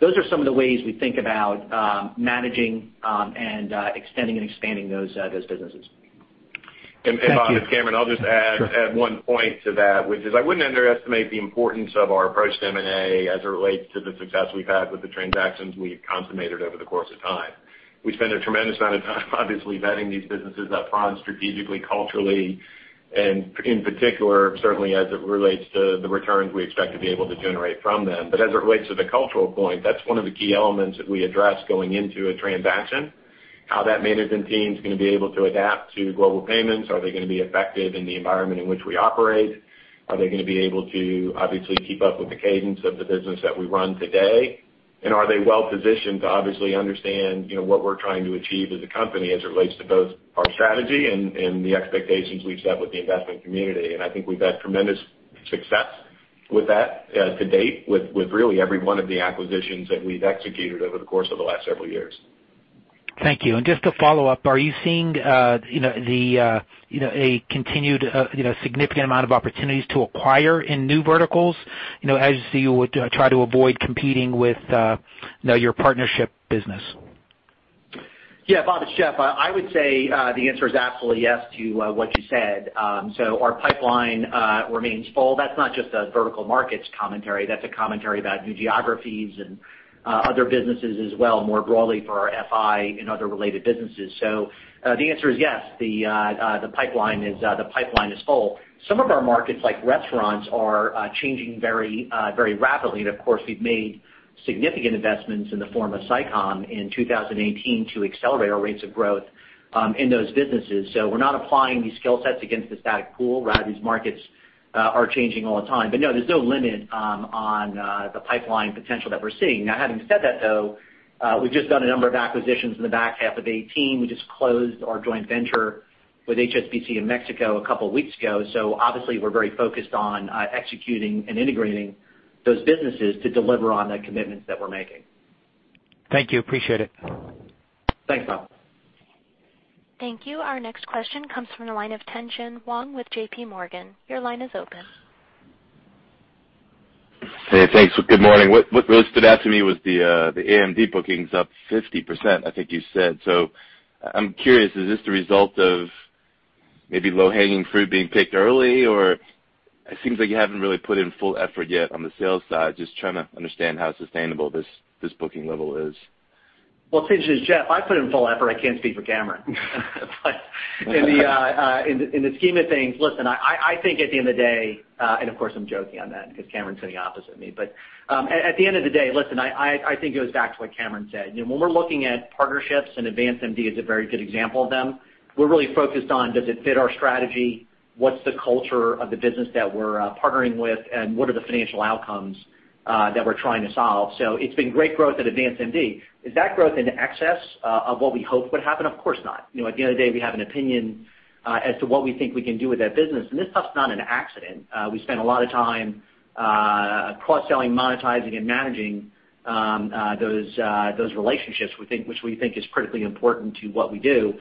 Those are some of the ways we think about managing and extending and expanding those businesses. Thank you. Bob, it's Cameron. I'll just add one point to that, which is I wouldn't underestimate the importance of our approach to M&A as it relates to the success we've had with the transactions we've consummated over the course of time. We spend a tremendous amount of time, obviously vetting these businesses upfront strategically, culturally, and in particular, certainly as it relates to the returns we expect to be able to generate from them. As it relates to the cultural point, that's one of the key elements that we address going into a transaction. How that management team's going to be able to adapt to Global Payments. Are they going to be effective in the environment in which we operate? Are they going to be able to obviously keep up with the cadence of the business that we run today? Are they well-positioned to obviously understand what we're trying to achieve as a company as it relates to both our strategy and the expectations we've set with the investment community? I think we've had tremendous success with that to date with really every one of the acquisitions that we've executed over the course of the last several years. Thank you. Just to follow up, are you seeing a continued significant amount of opportunities to acquire in new verticals? As you would try to avoid competing with your partnership business. Yeah, Bob, it's Jeff. I would say the answer is absolutely yes to what you said. Our pipeline remains full. That's not just a vertical markets commentary. That's a commentary about new geographies and other businesses as well, more broadly for our FI and other related businesses. The answer is yes. The pipeline is full. Some of our markets, like restaurants, are changing very rapidly. Of course, we've made significant investments in the form of SICOM in 2018 to accelerate our rates of growth in those businesses. We're not applying these skill sets against a static pool. Rather, these markets are changing all the time. No, there's no limit on the pipeline potential that we're seeing. Now, having said that, though, we've just done a number of acquisitions in the back half of 2018. We just closed our joint venture with HSBC in Mexico a couple of weeks ago. Obviously, we're very focused on executing and integrating those businesses to deliver on the commitments that we're making. Thank you. Appreciate it. Thanks, Bob. Thank you. Our next question comes from the line of Tien-Tsin Huang with JPMorgan. Your line is open. Hey, thanks. Good morning. What stood out to me was the AMD bookings up 50%, I think you said. I'm curious, is this the result of maybe low-hanging fruit being picked early, or it seems like you haven't really put in full effort yet on the sales side. Just trying to understand how sustainable this booking level is. Well, Tien-Tsin, this is Jeff. I put in full effort. I can't speak for Cameron. In the scheme of things, listen, I think at the end of the day, and of course, I'm joking on that because Cameron's sitting opposite me. At the end of the day, listen, I think it goes back to what Cameron said. When we're looking at partnerships, and AdvancedMD is a very good example of them, we're really focused on does it fit our strategy, what's the culture of the business that we're partnering with, and what are the financial outcomes that we're trying to solve? It's been great growth at AdvancedMD. Is that growth in excess of what we hoped would happen? Of course not. At the end of the day, we have an opinion as to what we think we can do with that business, this stuff's not an accident. We spend a lot of time cross-selling, monetizing, and managing those relationships, which we think is critically important to what we do.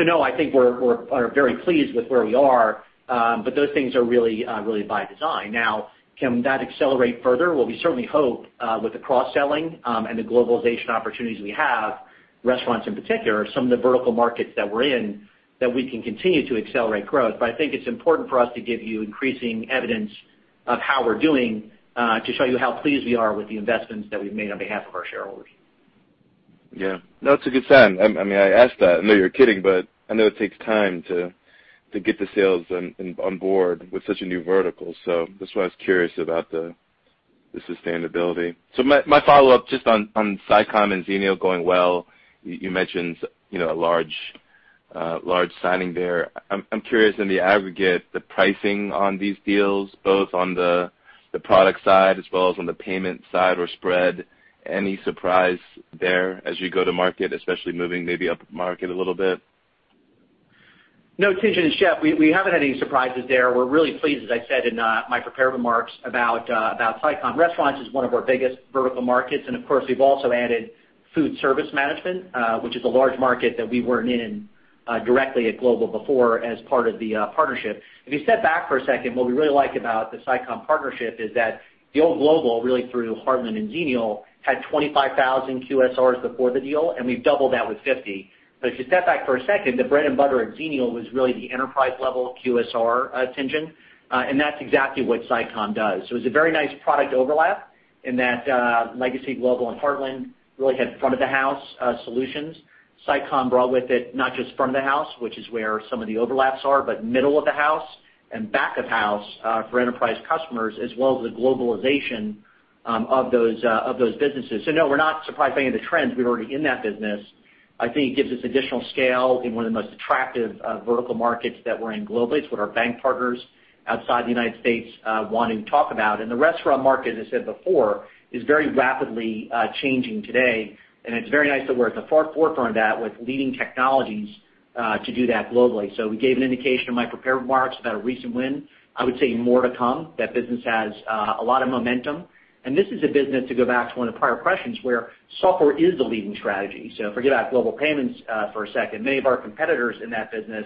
No, I think we're very pleased with where we are, those things are really by design. Now, can that accelerate further? We certainly hope with the cross-selling and the globalization opportunities we have, restaurants in particular, some of the vertical markets that we're in, that we can continue to accelerate growth. I think it's important for us to give you increasing evidence of how we're doing to show you how pleased we are with the investments that we've made on behalf of our shareholders. No, it's a good sign. I asked that. I know you're kidding, I know it takes time to get the sales on board with such a new vertical. That's why I was curious about the sustainability. My follow-up just on SICOM and Xenial going well, you mentioned a large signing there. I'm curious, in the aggregate, the pricing on these deals, both on the product side as well as on the payment side or spread, any surprise there as you go to market, especially moving maybe up market a little bit? No, Tien-Tsin, it's Jeff. We haven't had any surprises there. We're really pleased, as I said in my prepared remarks about SICOM. Restaurants is one of our biggest vertical markets, and of course, we've also added food service management, which is a large market that we weren't in directly at Global before as part of the partnership. If you step back for a second, what we really like about the SICOM partnership is that the old Global, really through Heartland and Xenial, had 25,000 QSRs before the deal, and we've doubled that with 50. If you step back for a second, the bread and butter at Xenial was really the enterprise-level QSR engine and that's exactly what SICOM does. It was a very nice product overlap in that Legacy Global and Heartland really had front-of-the-house solutions. SICOM brought with it not just front of the house, which is where some of the overlaps are, but middle of the house and back of house for enterprise customers, as well as the globalization of those businesses. No, we're not surprised by any of the trends. We were already in that business. I think it gives us additional scale in one of the most attractive vertical markets that we're in globally. It's what our bank partners outside the United States want to talk about. The restaurant market, as I said before, is very rapidly changing today, and it's very nice that we're at the forefront of that with leading technologies to do that globally. We gave an indication in my prepared remarks about a recent win. I would say more to come. That business has a lot of momentum, this is a business, to go back to one of the prior questions, where software is the leading strategy. Forget about Global Payments for a second. Many of our competitors in that business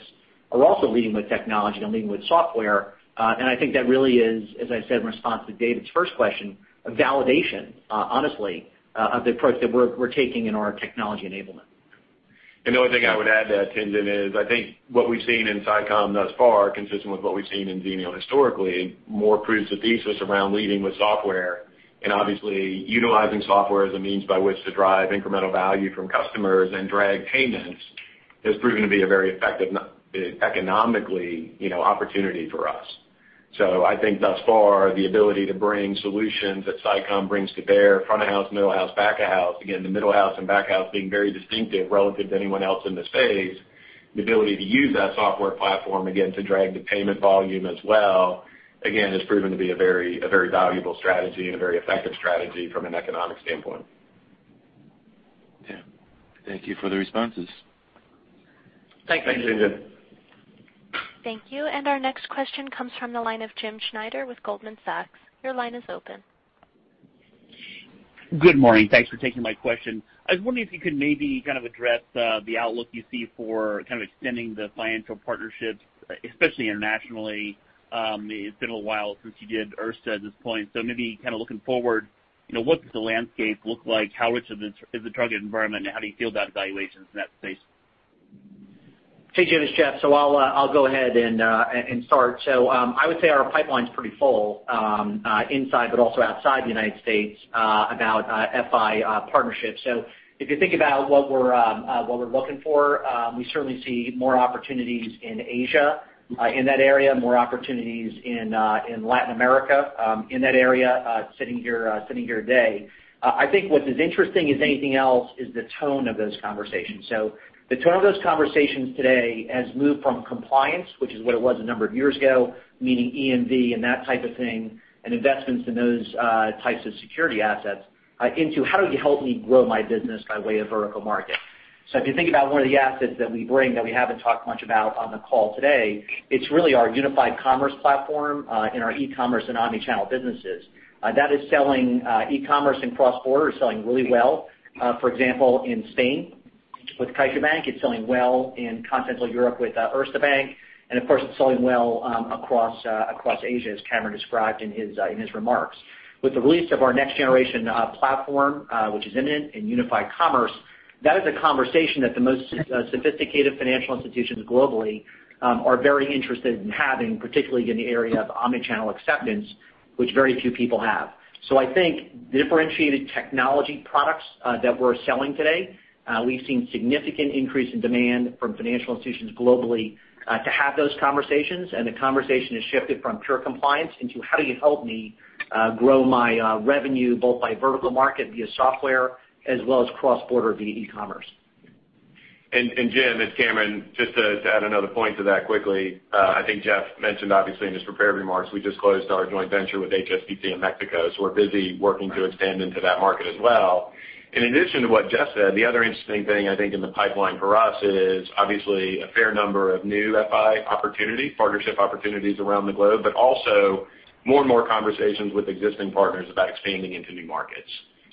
are also leading with technology and leading with software, and I think that really is, as I said in response to David's first question, a validation, honestly, of the approach that we're taking in our technology enablement. The only thing I would add to that, Tien-Tsin, is I think what we've seen in SICOM thus far, consistent with what we've seen in Xenial historically, more proves the thesis around leading with software and obviously utilizing software as a means by which to drive incremental value from customers and drag payments has proven to be a very effective economically, you know, opportunity for us. I think thus far, the ability to bring solutions that SICOM brings to bear front of house, middle house, back of house, again, the middle house and back of house being very distinctive relative to anyone else in this phase, the ability to use that software platform again to drag the payment volume as well, again, has proven to be a very valuable strategy and a very effective strategy from an economic standpoint. Yeah. Thank you for the responses. Thanks. Thanks, Tien-Tsin. Thank you. Our next question comes from the line of James Schneider with Goldman Sachs. Your line is open. Good morning. Thanks for taking my question. I was wondering if you could maybe address the outlook you see for extending the financial partnerships, especially internationally. It's been a while since you did Erste at this point. Maybe looking forward, what does the landscape look like? How rich is the target environment, and how do you feel about evaluations in that space? Jim, it's Jeff. I'll go ahead and start. I would say our pipeline's pretty full inside, but also outside the United States about FI partnerships. If you think about what we're looking for, we certainly see more opportunities in Asia, in that area, more opportunities in Latin America, in that area sitting here today. I think what is interesting as anything else is the tone of those conversations. The tone of those conversations today has moved from compliance, which is what it was a number of years ago, meaning EMV and that type of thing, and investments in those types of security assets into how do you help me grow my business by way of vertical market. If you think about one of the assets that we bring that we haven't talked much about on the call today, it's really our unified commerce platform in our e-commerce and omnichannel businesses. That is selling e-commerce and cross-border, selling really well. For example, in Spain with CaixaBank, it's selling well in Continental Europe with Erste Bank, and of course, it's selling well across Asia, as Cameron described in his remarks. With the release of our next-generation platform, which is imminent in unified commerce, that is a conversation that the most sophisticated financial institutions globally are very interested in having, particularly in the area of omni-channel acceptance, which very few people have. I think differentiated technology products that we're selling today, we've seen significant increase in demand from financial institutions globally to have those conversations. The conversation has shifted from pure compliance into how do you help me grow my revenue, both by vertical market via software as well as cross-border via e-commerce. Jim, it's Cameron. Just to add another point to that quickly. I think Jeff mentioned obviously in his prepared remarks, we just closed our joint venture with HSBC in Mexico, we're busy working to expand into that market as well. In addition to what Jeff said, the other interesting thing, I think, in the pipeline for us is obviously a fair number of new FI opportunity, partnership opportunities around the globe, but also more and more conversations with existing partners about expanding into new markets.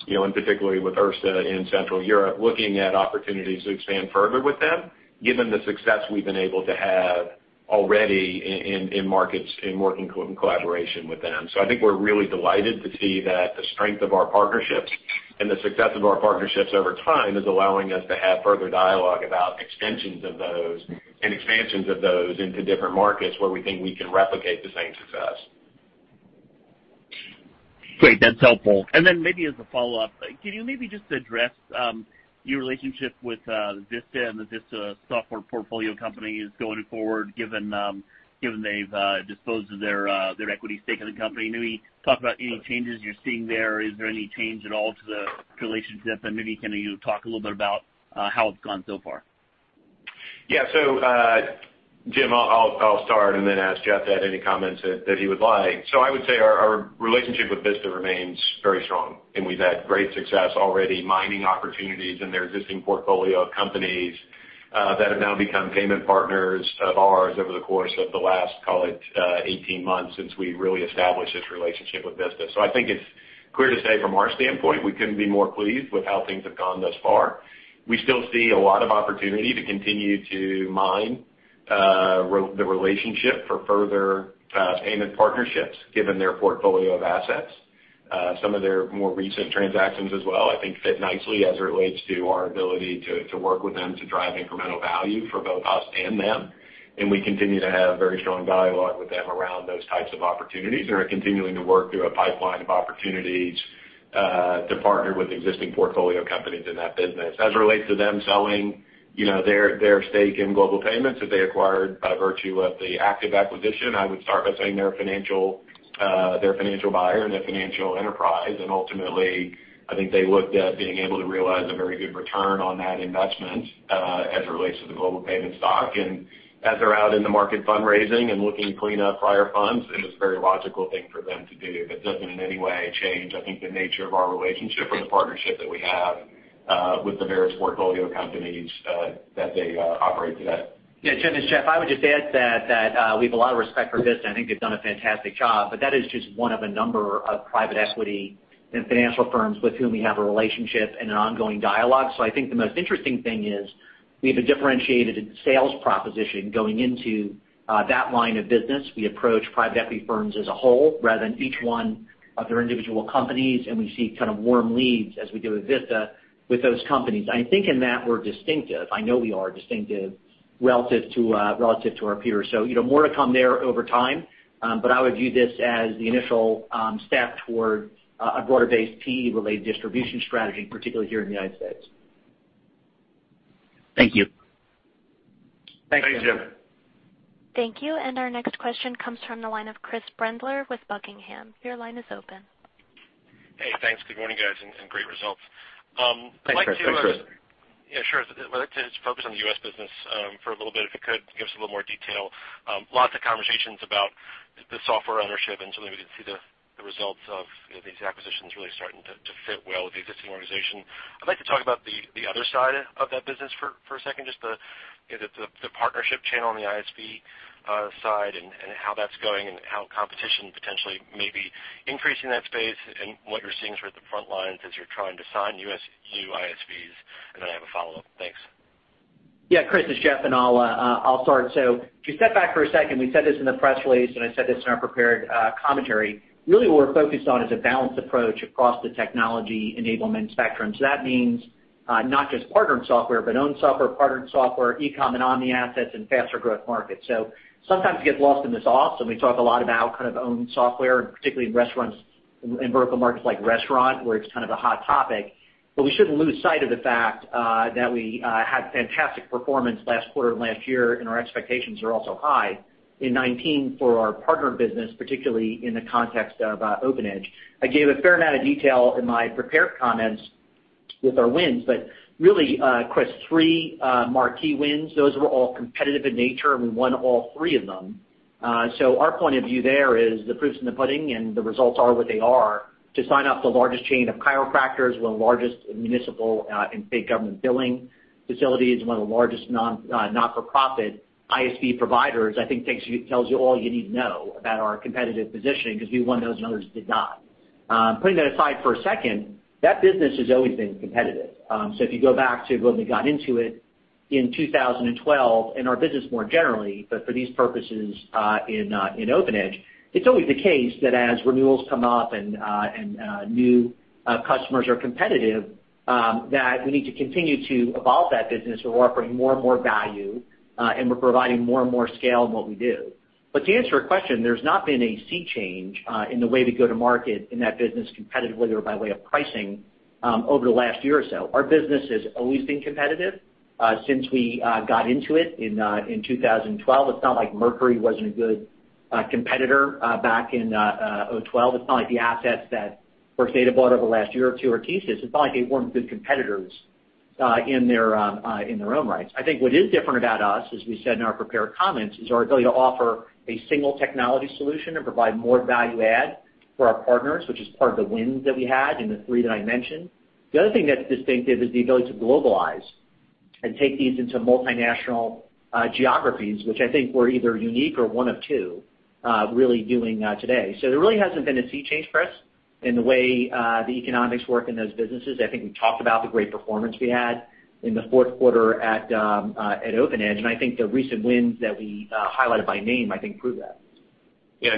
Particularly with Erste in Central Europe, looking at opportunities to expand further with them given the success we've been able to have already in markets in working collaboration with them. I think we're really delighted to see that the strength of our partnerships and the success of our partnerships over time is allowing us to have further dialogue about extensions of those and expansions of those into different markets where we think we can replicate the same success. Great. That's helpful. Then maybe as a follow-up, can you maybe just address your relationship with Vista and the Vista software portfolio companies going forward, given they've disposed of their equity stake in the company? Maybe talk about any changes you're seeing there. Is there any change at all to the relationship? Maybe can you talk a little bit about how it's gone so far? Yeah, so. Jim, I'll start and then ask Jeff to add any comments that he would like. I would say our relationship with Vista remains very strong, and we've had great success already mining opportunities in their existing portfolio of companies that have now become payment partners of ours over the course of the last, call it 18 months since we really established this relationship with Vista. So I think it's clear to say from our standpoint, we couldn't be more pleased with how things have gone thus far. We still see a lot of opportunity to continue to mine the relationship for further payment partnerships given their portfolio of assets. Some of their more recent transactions as well, I think fit nicely as it relates to our ability to work with them to drive incremental value for both us and them. We continue to have very strong dialogue with them around those types of opportunities and are continuing to work through a pipeline of opportunities to partner with existing portfolio companies in that business. As it relates to them selling their stake in Global Payments that they acquired by virtue of the ACTIVE acquisition, I would start by saying they're a financial buyer and a financial enterprise, and ultimately, I think they looked at being able to realize a very good return on that investment as it relates to the Global Payments stock. As they're out in the market fundraising and looking to clean up prior funds, it was a very logical thing for them to do. It doesn't in any way change, I think the nature of our relationship or the partnership that we have with the various portfolio companies that they operate today. Yeah. Jim, it's Jeff. I would just add that we have a lot of respect for Vista. I think they've done a fantastic job, but that is just one of a number of private equity and financial firms with whom we have a relationship and an ongoing dialogue. I think the most interesting thing is we have a differentiated sales proposition going into that line of business. We approach private equity firms as a whole rather than each one of their individual companies, and we see kind of warm leads as we do with Vista with those companies. I think in that we're distinctive. I know we are distinctive relative to our peers. More to come there over time. I would view this as the initial step toward a broader-based PE-related distribution strategy, particularly here in the United States. Thank you. Thanks, Jim. Thanks, Jim. Thank you. Our next question comes from the line of Chris Brendler with Buckingham. Your line is open. Hey, thanks. Good morning, guys, great results. Thanks, Chris. Thanks, Chris. Yeah, sure. I'd like to just focus on the U.S. business for a little bit, if you could give us a little more detail. Lots of conversations about the software ownership, and certainly we can see the results of these acquisitions really starting to fit well with the existing organization. I'd like to talk about the other side of that business for a second, just the partnership channel on the ISV side and how that's going and how competition potentially may be increasing that space and what you're seeing sort of at the front lines as you're trying to sign new ISVs. Then I have a follow-up. Thanks. Yeah. Chris, it's Jeff. I'll start. To step back for a second, we said this in the press release, and I said this in our prepared commentary. Really what we're focused on is a balanced approach across the technology enablement spectrum. That means not just partnered software, but owned software, partnered software, e-com and omni assets in faster growth markets. Sometimes it gets lost in the sauce, and we talk a lot about kind of owned software and particularly in restaurants, in vertical markets like restaurant, where it's kind of a hot topic. We shouldn't lose sight of the fact that we had fantastic performance last quarter and last year, and our expectations are also high in 2019 for our partner business, particularly in the context of OpenEdge. I gave a fair amount of detail in my prepared comments with our wins, really, quest three marquee wins. Those were all competitive in nature, and we won all three of them. Our point of view there is the proof's in the pudding, and the results are what they are. To sign up the largest chain of chiropractors, one of the largest municipal and state government billing facilities, one of the largest not-for-profit ISV providers, I think tells you all you need to know about our competitive positioning, because we won those and others did not. Putting that aside for a second, that business has always been competitive. If you go back to when we got into it in 2012, and our business more generally, but for these purposes, in OpenEdge, it's always the case that as renewals come up and new customers are competitive, that we need to continue to evolve that business where we're offering more and more value, and we're providing more and more scale in what we do. To answer your question, there's not been a sea change in the way we go to market in that business competitively or by way of pricing over the last year or so. Our business has always been competitive since we got into it in 2012. It's not like Mercury wasn't a good competitor back in 2012. It's not like the assets that First Data bought over the last year or two, or TSYS, it's not like they weren't good competitors in their own rights. I think what is different about us, as we said in our prepared comments, is our ability to offer a single technology solution and provide more value add for our partners, which is part of the wins that we had in the three that I mentioned. The other thing that's distinctive is the ability to globalize and take these into multinational geographies, which I think we're either unique or one of two really doing that today. There really hasn't been a sea change, Chris, in the way the economics work in those businesses. I think we talked about the great performance we had in the fourth quarter at OpenEdge, and I think the recent wins that we highlighted by name, I think, prove that.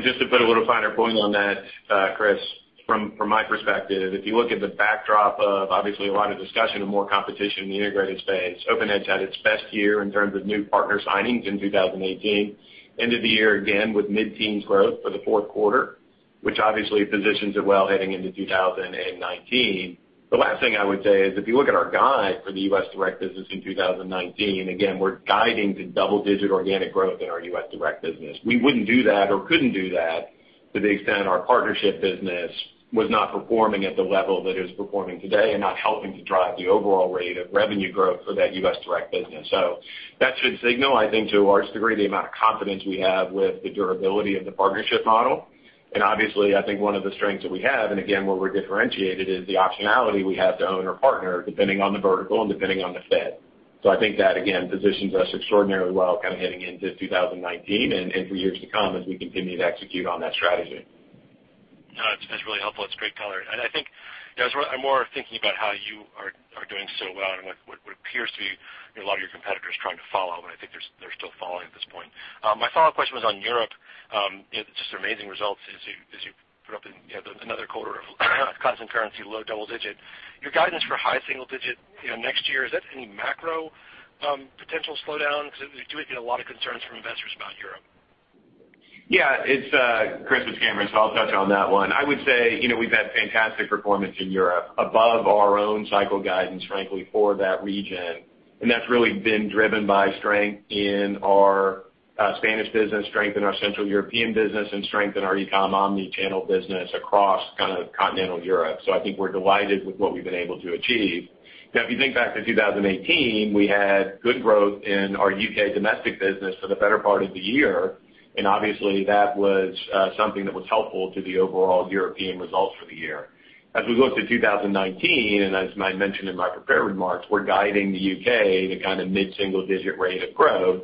Just to put a little finer point on that, Chris, from my perspective, if you look at the backdrop of obviously a lot of discussion and more competition in the integrated space, OpenEdge had its best year in terms of new partner signings in 2018. End of the year, again, with mid-teens growth for the fourth quarter, which obviously positions it well heading into 2019. The last thing I would say is, if you look at our guide for the U.S. direct business in 2019, again, we're guiding to double-digit organic growth in our U.S. direct business. We wouldn't do that or couldn't do that to the extent our partnership business was not performing at the level that it is performing today and not helping to drive the overall rate of revenue growth for that U.S. direct business. That should signal, I think, to a large degree, the amount of confidence we have with the durability of the partnership model. Obviously, I think one of the strengths that we have, and again, where we're differentiated, is the optionality we have to own or partner, depending on the vertical and depending on the fit. I think that, again, positions us extraordinarily well heading into 2019 and for years to come as we continue to execute on that strategy. No, that's really helpful. It's great color. I think as I'm more thinking about how you are doing so well and what appears to be a lot of your competitors trying to follow, and I think they're still following at this point. My follow-up question was on Europe. Just amazing results as you put up another quarter of constant currency, low double digit. Your guidance for high single digit next year, is that any macro potential slowdown? Because we do get a lot of concerns from investors about Europe. Yeah, it's.. Chris, it's Cameron. I'll touch on that one. I would say, we've had fantastic performance in Europe above our own cycle guidance, frankly, for that region, and that's really been driven by strength in our Spanish business, strength in our Central European business, and strength in our eCom omnichannel business across continental Europe. I think we're delighted with what we've been able to achieve. Now, if you think back to 2018, we had good growth in our U.K. domestic business for the better part of the year, and obviously that was something that was helpful to the overall European results for the year. As we look to 2019, and as I mentioned in my prepared remarks, we're guiding the U.K. to mid-single digit rate of growth,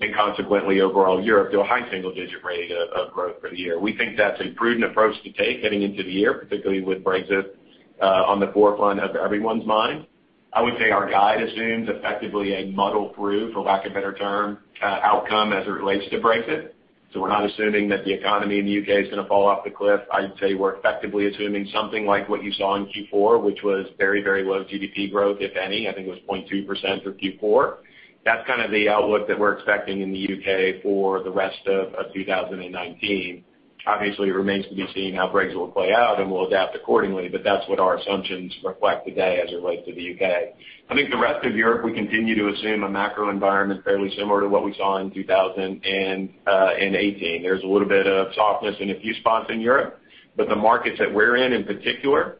and consequently overall Europe to a high single digit rate of growth for the year. We think that's a prudent approach to take heading into the year, particularly with Brexit, on the forefront of everyone's mind. I would say our guide assumes effectively a muddle through, for lack of a better term, outcome as it relates to Brexit. We're not assuming that the economy in the U.K. is going to fall off the cliff. I'd say we're effectively assuming something like what you saw in Q4, which was very low GDP growth, if any. I think it was 0.2% for Q4. That's kind of the outlook that we're expecting in the U.K. for the rest of 2019. Obviously, it remains to be seen how Brexit will play out, and we'll adapt accordingly, but that's what our assumptions reflect today as it relates to the U.K. I think the rest of Europe, we continue to assume a macro environment fairly similar to what we saw in 2018. There's a little bit of softness in a few spots in Europe, but the markets that we're in particular,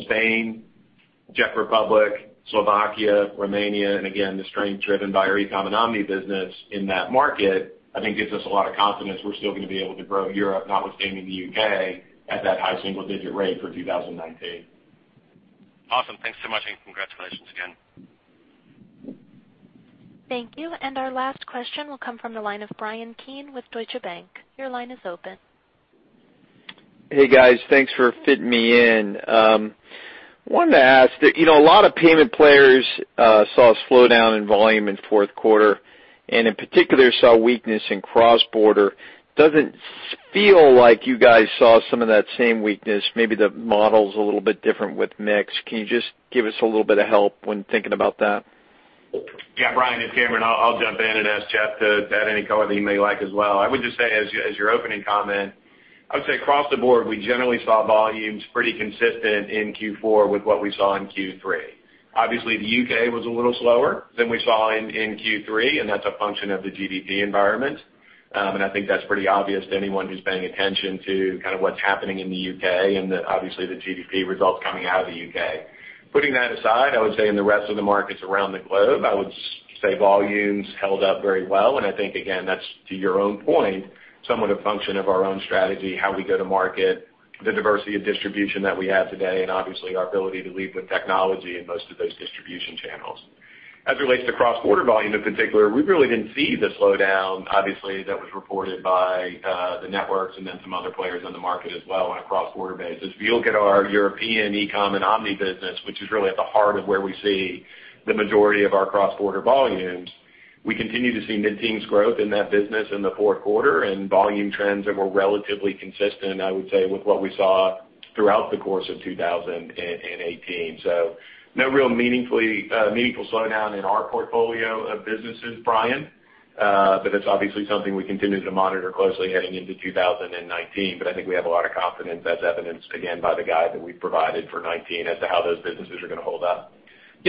Spain, Czech Republic, Slovakia, Romania, and again, the strength driven by our eCom and omni business in that market, I think gives us a lot of confidence we're still going to be able to grow Europe, notwithstanding the U.K., at that high single digit rate for 2019. Awesome. Thanks so much and congratulations again. Thank you. Our last question will come from the line of Bryan Keane with Deutsche Bank. Your line is open. Hey, guys. Thanks for fitting me in. Wanted to ask, a lot of payment players saw a slowdown in volume in fourth quarter, and in particular, saw weakness in cross-border. Doesn't feel like you guys saw some of that same weakness. Maybe the model's a little bit different with mix. Can you just give us a little bit of help when thinking about that? Bryan, it's Cameron. I'll jump in and ask Jeff to add any color that he may like as well. I would just say as your opening comment, across the board, we generally saw volumes pretty consistent in Q4 with what we saw in Q3. Obviously, the U.K. was a little slower than we saw in Q3, and that's a function of the GDP environment. I think that's pretty obvious to anyone who's paying attention to what's happening in the U.K. and obviously the GDP results coming out of the U.K. Putting that aside, I would say in the rest of the markets around the globe, I would say volumes held up very well, and I think, again, that's to your own point, somewhat a function of our own strategy, how we go to market, the diversity of distribution that we have today, and obviously our ability to lead with technology in most of those distribution channels. As it relates to cross-border volume in particular, we really didn't see the slowdown, obviously, that was reported by the networks and then some other players in the market as well on a cross-border basis. If you look at our European e-com and omni business, which is really at the heart of where we see the majority of our cross-border volumes, we continue to see mid-teens growth in that business in the fourth quarter and volume trends that were relatively consistent, I would say, with what we saw throughout the course of 2018. No real meaningful slowdown in our portfolio of businesses, Bryan, but it's obviously something we continue to monitor closely heading into 2019. I think we have a lot of confidence, as evidenced again by the guide that we provided for 2019 as to how those businesses are going to hold up.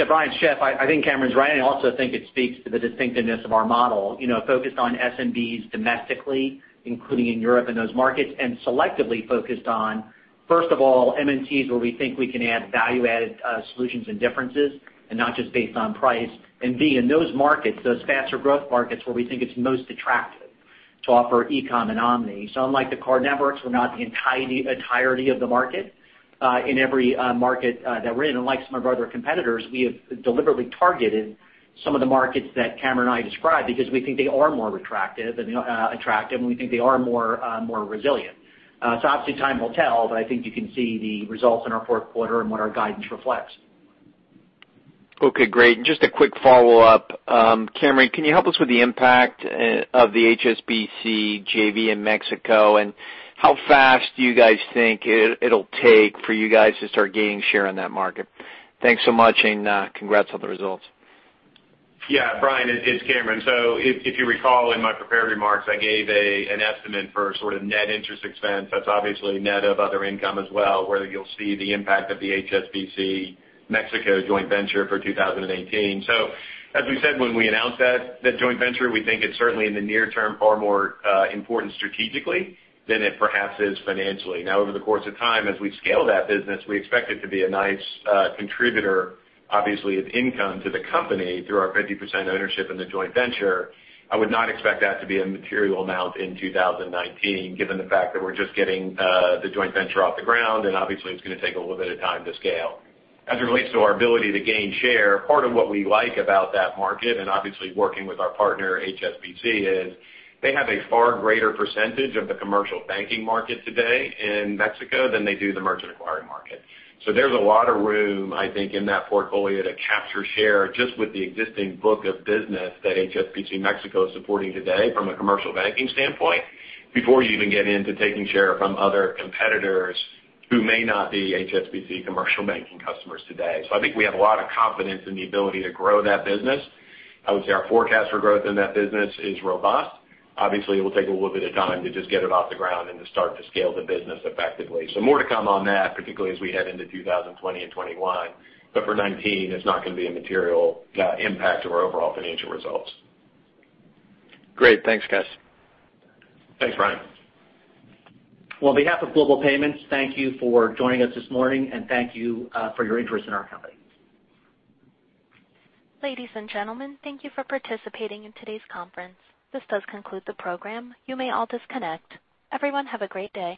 Bryan, it's Jeff. I think Cameron's right, and I also think it speaks to the distinctiveness of our model. Focused on SMBs domestically, including in Europe and those markets, and selectively focused on, first of all, [MNCs] where we think we can add value-added solutions and differences and not just based on price. And B, in those markets, those faster growth markets where we think it's most attractive to offer e-com and omni. Unlike the card networks, we're not the entirety of the market in every market that we're in. Unlike some of our other competitors, we have deliberately targeted some of the markets that Cameron and I described because we think they are more attractive and we think they are more resilient. Obviously time will tell, but I think you can see the results in our fourth quarter and what our guidance reflects. Okay, great. Just a quick follow-up. Cameron, can you help us with the impact of the HSBC JV in Mexico, and how fast do you guys think it'll take for you guys to start gaining share in that market? Thanks so much, and congrats on the results. Bryan, it's Cameron. If you recall in my prepared remarks, I gave an estimate for sort of net interest expense. That's obviously net of other income as well, where you'll see the impact of the HSBC Mexico joint venture for 2018. As we said when we announced that joint venture, we think it's certainly in the near term, far more important strategically than it perhaps is financially. Now, over the course of time, as we scale that business, we expect it to be a nice contributor, obviously of income to the company through our 50% ownership in the joint venture. I would not expect that to be a material amount in 2019, given the fact that we're just getting the joint venture off the ground, and obviously it's going to take a little bit of time to scale. As it relates to our ability to gain share, part of what we like about that market and obviously working with our partner, HSBC, is they have a far greater percentage of the commercial banking market today in Mexico than they do the merchant acquiring market. There's a lot of room, I think, in that portfolio to capture share just with the existing book of business that HSBC Mexico is supporting today from a commercial banking standpoint before you even get into taking share from other competitors who may not be HSBC commercial banking customers today. I think we have a lot of confidence in the ability to grow that business. I would say our forecast for growth in that business is robust. Obviously, it will take a little bit of time to just get it off the ground and to start to scale the business effectively. So, more to come on that, particularly as we head into 2020 and 2021. For 2019, it's not going to be a material impact to our overall financial results. Great. Thanks, guys. Thanks, Bryan. Well, on behalf of Global Payments, thank you for joining us this morning, and thank you for your interest in our company. Ladies and gentlemen, thank you for participating in today's conference. This does conclude the program. You may all disconnect. Everyone, have a great day.